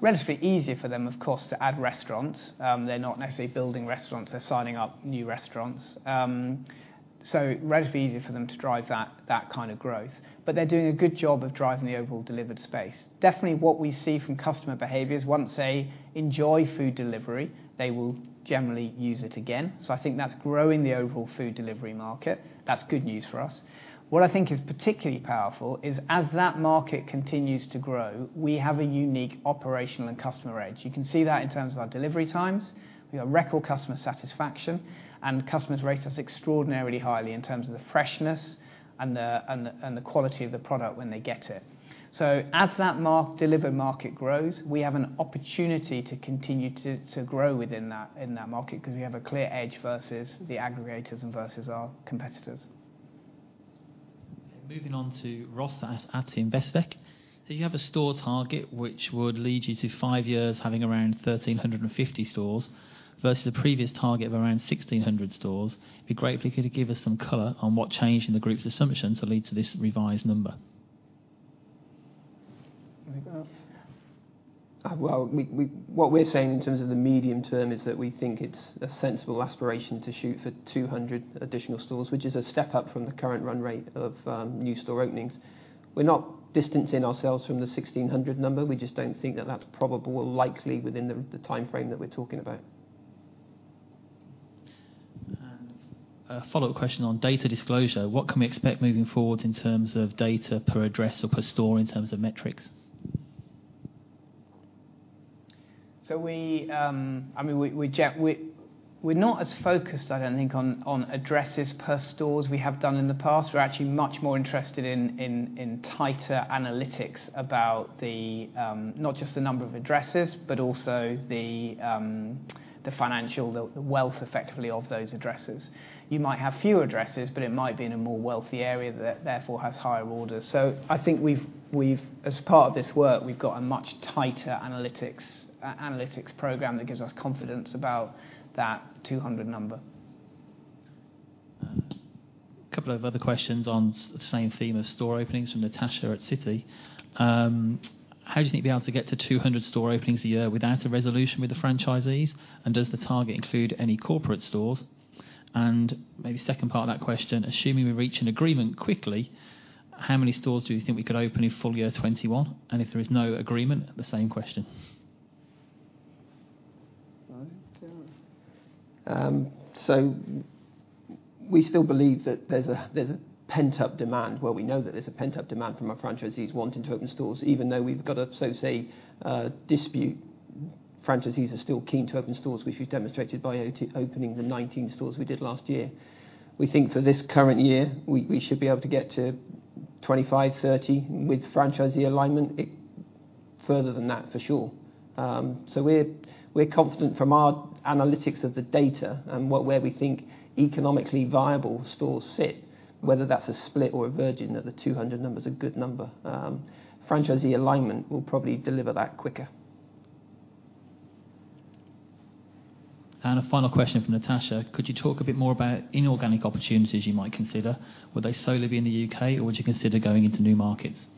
Relatively easier for them, of course, to add restaurants. They're not necessarily building restaurants. They're signing up new restaurants. So relatively easier for them to drive that kind of growth. But they're doing a good job of driving the overall delivered space. Definitely, what we see from customer behavior is once they enjoy food delivery, they will generally use it again. So I think that's growing the overall food delivery market. That's good news for us. What I think is particularly powerful is as that market continues to grow, we have a unique operational and customer edge. You can see that in terms of our delivery times. We have record customer satisfaction, and customers rate us extraordinarily highly in terms of the freshness and the quality of the product when they get it. So as that delivered market grows, we have an opportunity to continue to grow within that market because we have a clear edge versus the aggregators and versus our competitors. Moving on to Ross at Investec. So you have a store target which would lead you to five years having around 1,350 stores versus a previous target of around 1,600 stores. It'd be great if you could give us some color on what changed in the group's assumption to lead to this revised number? What we're saying in terms of the medium term is that we think it's a sensible aspiration to shoot for 200 additional stores, which is a step up from the current run rate of new store openings. We're not distancing ourselves from the 1,600 number. We just don't think that that's probable or likely within the time frame that we're talking about. And a follow-up question on data disclosure. What can we expect moving forward in terms of data per address or per store in terms of metrics? So, I mean, we're not as focused, I don't think, on addresses per stores we have done in the past. We're actually much more interested in tighter analytics about not just the number of addresses, but also the financial, the wealth effectively of those addresses. You might have fewer addresses, but it might be in a more wealthy area that therefore has higher orders. So, I think as part of this work, we've got a much tighter analytics program that gives us confidence about that 200 number. A couple of other questions on the same theme of store openings from Natasha at Citi. How do you think we'll be able to get to 200 store openings a year without a resolution with the franchisees? And does the target include any corporate stores? And maybe second part of that question, assuming we reach an agreement quickly, how many stores do you think we could open in full year 2021? And if there is no agreement, the same question. So we still believe that there's a pent-up demand. Well, we know that there's a pent-up demand from our franchisees wanting to open stores, even though we've got a so to speak dispute. Franchisees are still keen to open stores, which we've demonstrated by opening the 19 stores we did last year. We think for this current year, we should be able to get to 25-30 with franchisee alignment further than that for sure. So we're confident from our analytics of the data and where we think economically viable stores sit, whether that's a split or a virgin, that the 200 number is a good number. Franchisee alignment will probably deliver that quicker. A final question from Natasha. Could you talk a bit more about inorganic opportunities you might consider? Would they solely be in the U.K., or would you consider going into new markets?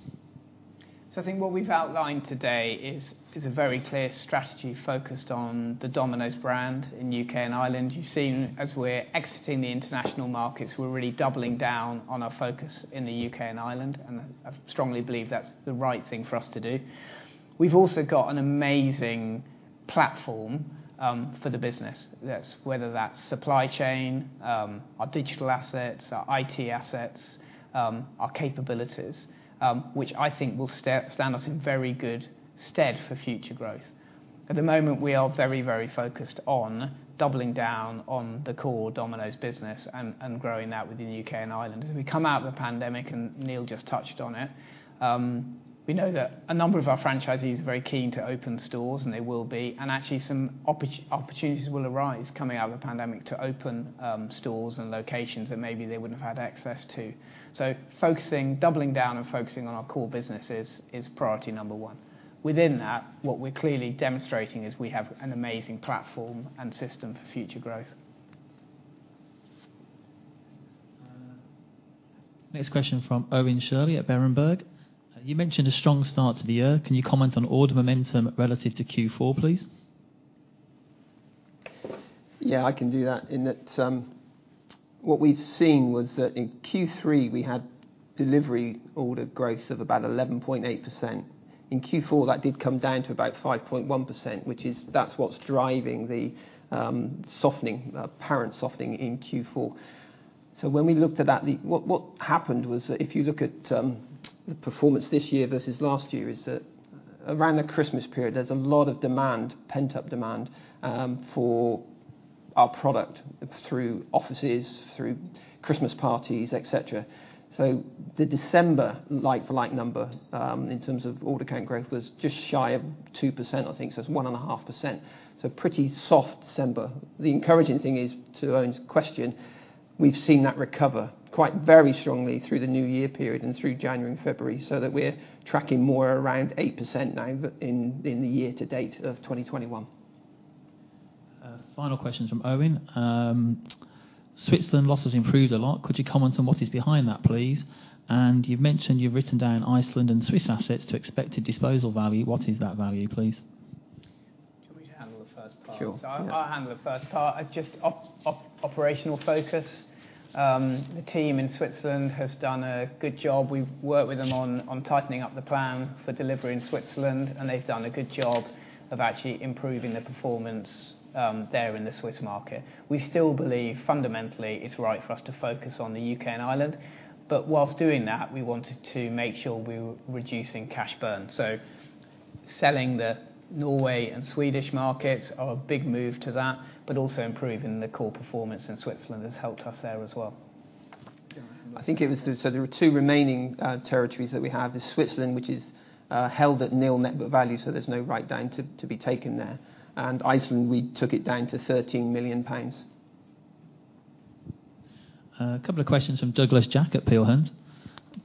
So I think what we've outlined today is a very clear strategy focused on the Domino's brand in the U.K. and Ireland. You've seen as we're exiting the international markets, we're really doubling down on our focus in the U.K. and Ireland, and I strongly believe that's the right thing for us to do. We've also got an amazing platform for the business, whether that's supply chain, our digital assets, our IT assets, our capabilities, which I think will stand us in very good stead for future growth. At the moment, we are very, very focused on doubling down on the core Domino's business and growing that within the U.K. and Ireland. As we come out of the pandemic, and Neil just touched on it, we know that a number of our franchisees are very keen to open stores, and they will be, and actually some opportunities will arise coming out of the pandemic to open stores and locations that maybe they wouldn't have had access to. So doubling down and focusing on our core businesses is priority number one. Within that, what we're clearly demonstrating is we have an amazing platform and system for future growth. Next question from Owen Shirley at Berenberg. You mentioned a strong start to the year. Can you comment on order momentum relative to Q4, please? Yeah, I can do that. What we've seen was that in Q3, we had delivery order growth of about 11.8%. In Q4, that did come down to about 5.1%, which is, that's what's driving the softening, apparent softening in Q4. So when we looked at that, what happened was that if you look at the performance this year versus last year, is that around the Christmas period, there's a lot of demand, pent-up demand for our product through offices, through Christmas parties, etc. So the December like-for-like number in terms of order count growth was just shy of 2%, I think, so it's 1.5%. So pretty soft December. The encouraging thing is to Owen's question, we've seen that recover quite very strongly through the new year period and through January and February, so that we're tracking more around 8% now in the year to date of 2021. Final question from Owen. Switzerland, losses improved a lot. Could you comment on what is behind that, please? And you've mentioned you've written down Iceland and Swiss assets to expected disposal value. What is that value, please? Can we handle the first part? Sure. So I'll handle the first part. Just operational focus. The team in Switzerland has done a good job. We've worked with them on tightening up the plan for delivery in Switzerland, and they've done a good job of actually improving the performance there in the Swiss market. We still believe fundamentally it's right for us to focus on the U.K. and Ireland, but whilst doing that, we wanted to make sure we were reducing cash burn. So selling the Norway and Swedish markets are a big move to that, but also improving the core performance in Switzerland has helped us there as well. I think it was, so there were two remaining territories that we have. There's Switzerland, which is held at nil net value, so there's no write-down to be taken there, and Iceland, we took it down to 13 million pounds. A couple of questions from Douglas Jack at Peel Hunt.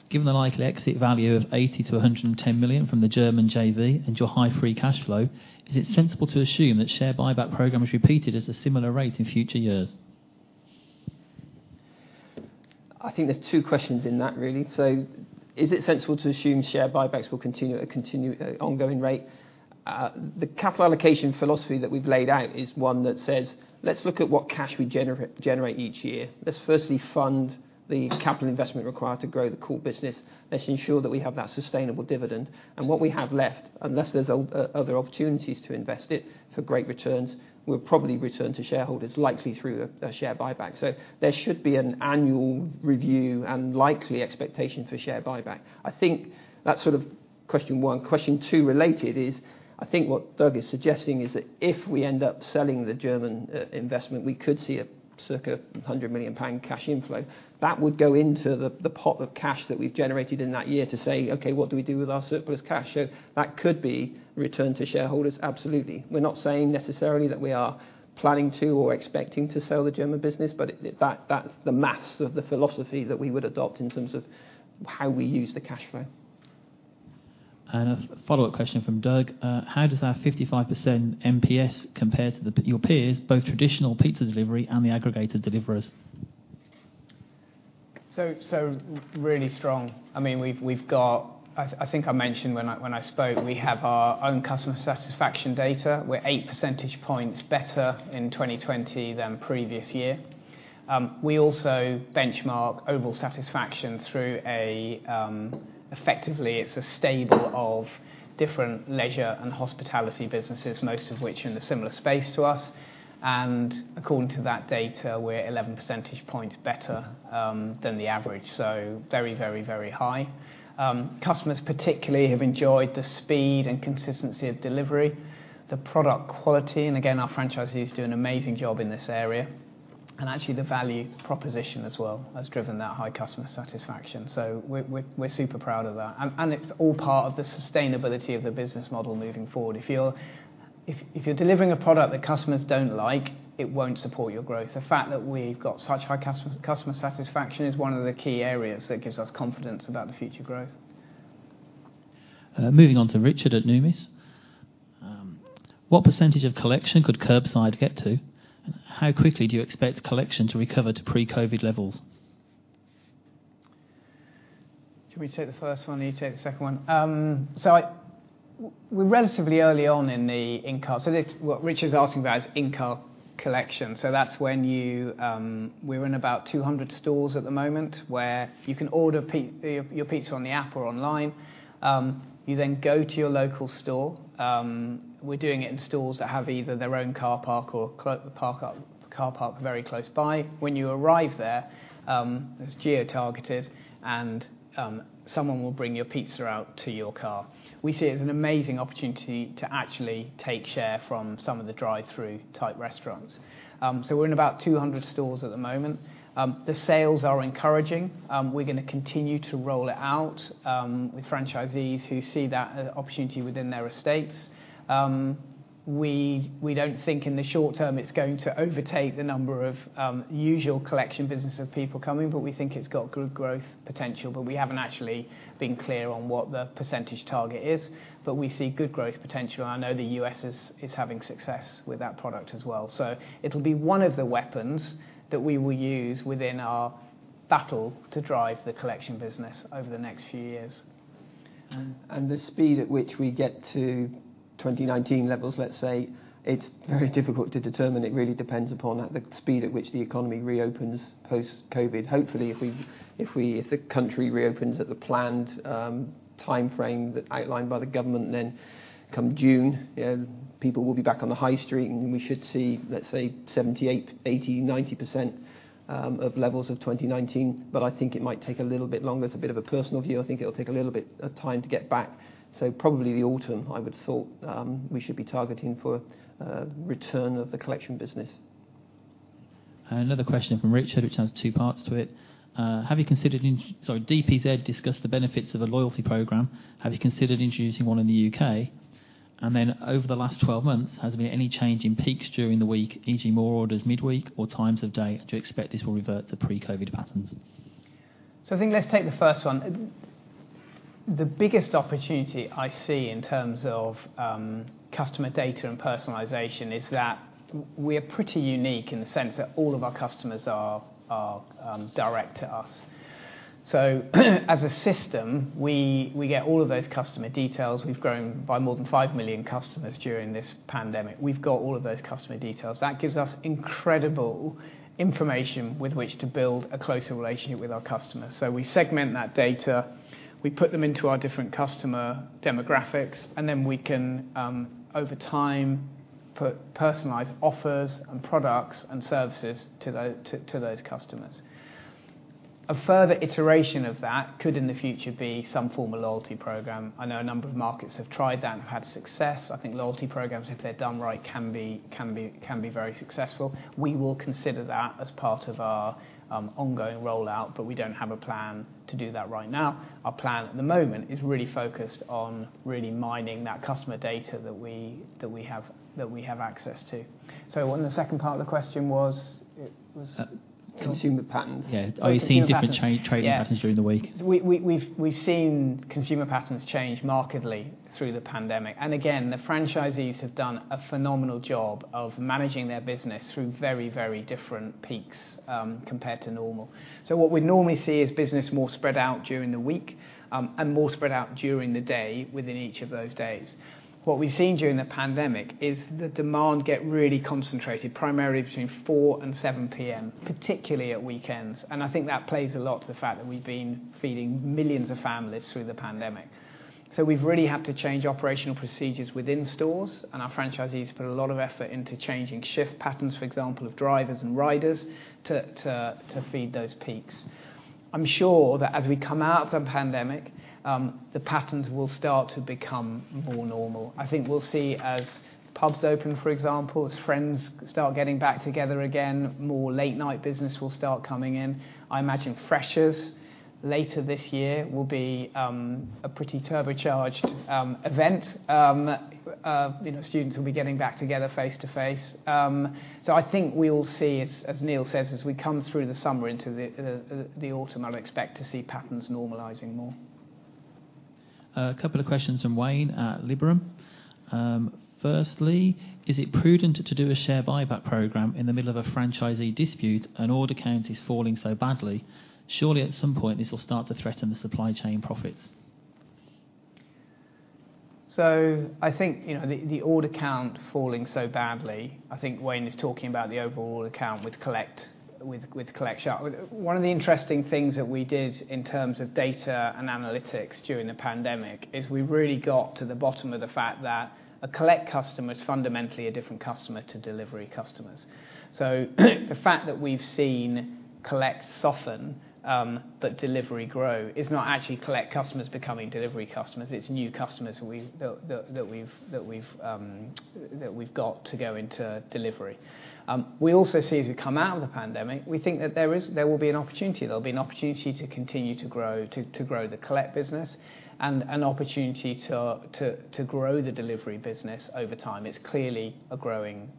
Given the likely exit value of 80 million-110 million from the German JV and your high free cash flow, is it sensible to assume that share buyback program is repeated at a similar rate in future years? I think there's two questions in that, really. So is it sensible to assume share buybacks will continue at an ongoing rate? The capital allocation philosophy that we've laid out is one that says, let's look at what cash we generate each year. Let's firstly fund the capital investment required to grow the core business. Let's ensure that we have that sustainable dividend. And what we have left, unless there's other opportunities to invest it for great returns, will probably return to shareholders likely through a share buyback. So there should be an annual review and likely expectation for share buyback. I think that's sort of question one. Question two related is I think what Doug is suggesting is that if we end up selling the German investment, we could see a circa 100 million pound cash inflow. That would go into the pot of cash that we've generated in that year to say, okay, what do we do with our surplus cash? So that could be returned to shareholders, absolutely. We're not saying necessarily that we are planning to or expecting to sell the German business, but that's the gist of the philosophy that we would adopt in terms of how we use the cash flow. A follow-up question from Doug. How does our 55% NPS compare to your peers, both traditional pizza delivery and the aggregator deliverers? So really strong. I mean, I think I mentioned when I spoke, we have our own customer satisfaction data. We're eight percentage points better in 2020 than previous year. We also benchmark overall satisfaction through, effectively, it's a stable of different leisure and hospitality businesses, most of which are in a similar space to us. And according to that data, we're 11 percentage points better than the average, so very, very, very high. Customers particularly have enjoyed the speed and consistency of delivery, the product quality, and again, our franchisees do an amazing job in this area. And actually, the value proposition as well has driven that high customer satisfaction. So we're super proud of that. And it's all part of the sustainability of the business model moving forward. If you're delivering a product that customers don't like, it won't support your growth. The fact that we've got such high customer satisfaction is one of the key areas that gives us confidence about the future growth. Moving on to Richard at Numis. What percentage of collection could curbside get to? And how quickly do you expect collection to recover to pre-COVID levels? Can we take the first one? You take the second one. We're relatively early on in the in-cars. What Richard's asking about is in-car collection. That's when you're in about 200 stores at the moment where you can order your pizza on the app or online. You then go to your local store. We're doing it in stores that have either their own car park or car park very close by. When you arrive there, it's geo-targeted, and someone will bring your pizza out to your car. We see it as an amazing opportunity to actually take share from some of the drive-through type restaurants. We're in about 200 stores at the moment. The sales are encouraging. We're going to continue to roll it out with franchisees who see that opportunity within their estates. We don't think in the short term it's going to overtake the number of usual collection business of people coming, but we think it's got good growth potential. But we haven't actually been clear on what the percentage target is. But we see good growth potential. I know the U.S. is having success with that product as well. So it'll be one of the weapons that we will use within our battle to drive the collection business over the next few years. The speed at which we get to 2019 levels, let's say, is very difficult to determine. It really depends upon the speed at which the economy reopens post-COVID. Hopefully, if the country reopens at the planned time frame outlined by the government, then come June, people will be back on the high street, and we should see, let's say, 78%, 80%, 90% of levels of 2019. I think it might take a little bit longer. It's a bit of a personal view. I think it'll take a little bit of time to get back. Probably the autumn, I would thought we should be targeting for return of the collection business. Another question from Richard, which has two parts to it. Have you considered, sorry, DPZ discussed the benefits of a loyalty program. Have you considered introducing one in the U.K.? And then over the last 12 months, has there been any change in peaks during the week, seeing more orders midweek or times of day? Do you expect this will revert to pre-COVID patterns? I think let's take the first one. The biggest opportunity I see in terms of customer data and personalization is that we are pretty unique in the sense that all of our customers are direct to us. So as a system, we get all of those customer details. We've grown by more than five million customers during this pandemic. We've got all of those customer details. That gives us incredible information with which to build a closer relationship with our customers. So we segment that data. We put them into our different customer demographics, and then we can, over time, personalize offers and products and services to those customers. A further iteration of that could, in the future, be some form of loyalty program. I know a number of markets have tried that and have had success. I think loyalty programs, if they're done right, can be very successful. We will consider that as part of our ongoing rollout, but we don't have a plan to do that right now. Our plan at the moment is really focused on mining that customer data that we have access to. So the second part of the question was it was. Consumer patterns. Yeah. Are you seeing different trading patterns during the week? We've seen consumer patterns change markedly through the pandemic, and again, the franchisees have done a phenomenal job of managing their business through very, very different peaks compared to normal, so what we normally see is business more spread out during the week and more spread out during the day within each of those days. What we've seen during the pandemic is the demand get really concentrated primarily between 4:00 P.M. and 7:00 P.M., particularly at weekends, and I think that plays a lot to the fact that we've been feeding millions of families through the pandemic, so we've really had to change operational procedures within stores, and our franchisees put a lot of effort into changing shift patterns, for example, of drivers and riders to feed those peaks. I'm sure that as we come out of the pandemic, the patterns will start to become more normal. I think we'll see as pubs open, for example, as friends start getting back together again, more late-night business will start coming in. I imagine freshers later this year will be a pretty turbocharged event. Students will be getting back together face to face. So I think we will see, as Neil says, as we come through the summer into the autumn, I would expect to see patterns normalizing more. A couple of questions from Wayne at Liberum. Firstly, is it prudent to do a share buyback program in the middle of a franchisee dispute and order counts falling so badly? Surely at some point this will start to threaten the supply chain profits. I think the order count falling so badly. I think Wayne is talking about the overall order count with collect shop. One of the interesting things that we did in terms of data and analytics during the pandemic is we really got to the bottom of the fact that a collect customer is fundamentally a different customer to delivery customers. The fact that we've seen collect soften but delivery grow is not actually collect customers becoming delivery customers. It's new customers that we've got to go into delivery. We also see as we come out of the pandemic, we think that there will be an opportunity. There'll be an opportunity to continue to grow the collect business and an opportunity to grow the delivery business over time. It's clearly a growing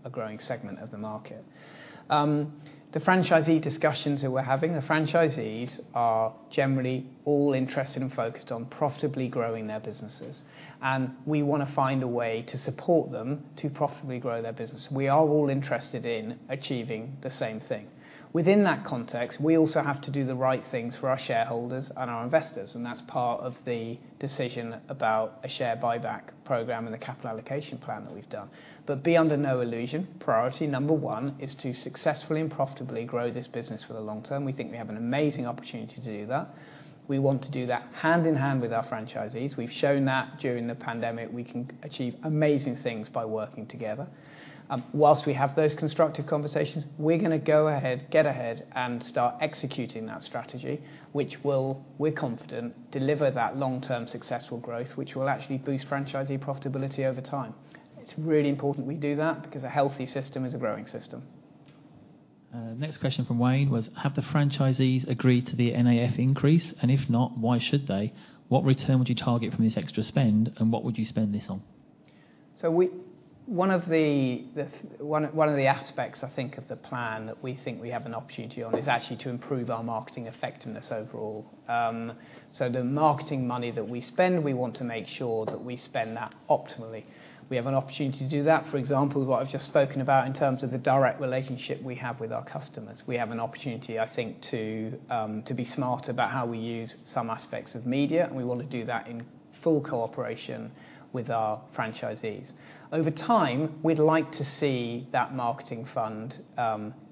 segment of the market. The franchisee discussions that we're having, the franchisees are generally all interested and focused on profitably growing their businesses. And we want to find a way to support them to profitably grow their business. We are all interested in achieving the same thing. Within that context, we also have to do the right things for our shareholders and our investors. And that's part of the decision about a share buyback program and the capital allocation plan that we've done. But be under no illusion. Priority number one is to successfully and profitably grow this business for the long term. We think we have an amazing opportunity to do that. We want to do that hand in hand with our franchisees. We've shown that during the pandemic we can achieve amazing things by working together. Whilst we have those constructive conversations, we're going to go ahead, get ahead, and start executing that strategy, which will, we're confident, deliver that long-term successful growth, which will actually boost franchisee profitability over time. It's really important we do that because a healthy system is a growing system. Next question from Wayne was, have the franchisees agreed to the NAF increase? And if not, why should they? What return would you target from this extra spend, and what would you spend this on? One of the aspects, I think, of the plan that we think we have an opportunity on is actually to improve our marketing effectiveness overall. The marketing money that we spend, we want to make sure that we spend that optimally. We have an opportunity to do that, for example, what I've just spoken about in terms of the direct relationship we have with our customers. We have an opportunity, I think, to be smart about how we use some aspects of media, and we want to do that in full cooperation with our franchisees. Over time, we'd like to see that marketing fund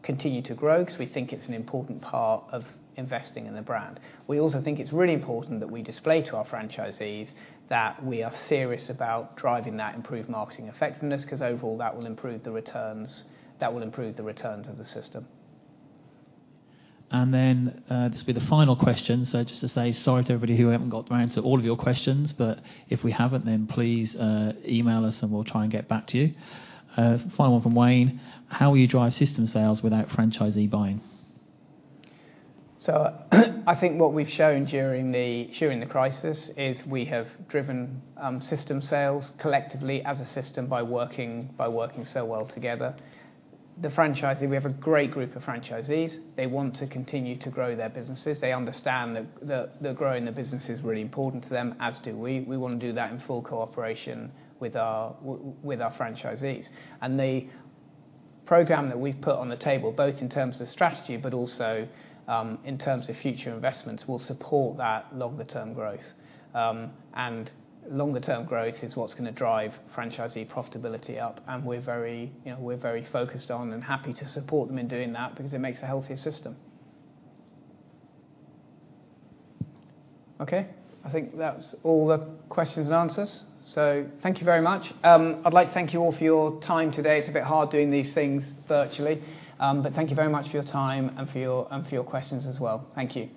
continue to grow because we think it's an important part of investing in the brand. We also think it's really important that we display to our franchisees that we are serious about driving that improved marketing effectiveness because overall that will improve the returns. That will improve the returns of the system. And then this will be the final question. So just to say sorry to everybody who haven't got the answer to all of your questions, but if we haven't, then please email us and we'll try and get back to you. Final one from Wayne. How will you drive system sales without franchisee buy-in? So I think what we've shown during the crisis is we have driven system sales collectively as a system by working so well together. The franchisee, we have a great group of franchisees. They want to continue to grow their businesses. They understand that growing the business is really important to them, as do we. We want to do that in full cooperation with our franchisees. And the program that we've put on the table, both in terms of strategy but also in terms of future investments, will support that longer-term growth. And longer-term growth is what's going to drive franchisee profitability up. And we're very focused on and happy to support them in doing that because it makes a healthier system. Okay. I think that's all the questions and answers. So thank you very much. I'd like to thank you all for your time today. It's a bit hard doing these things virtually, but thank you very much for your time and for your questions as well. Thank you.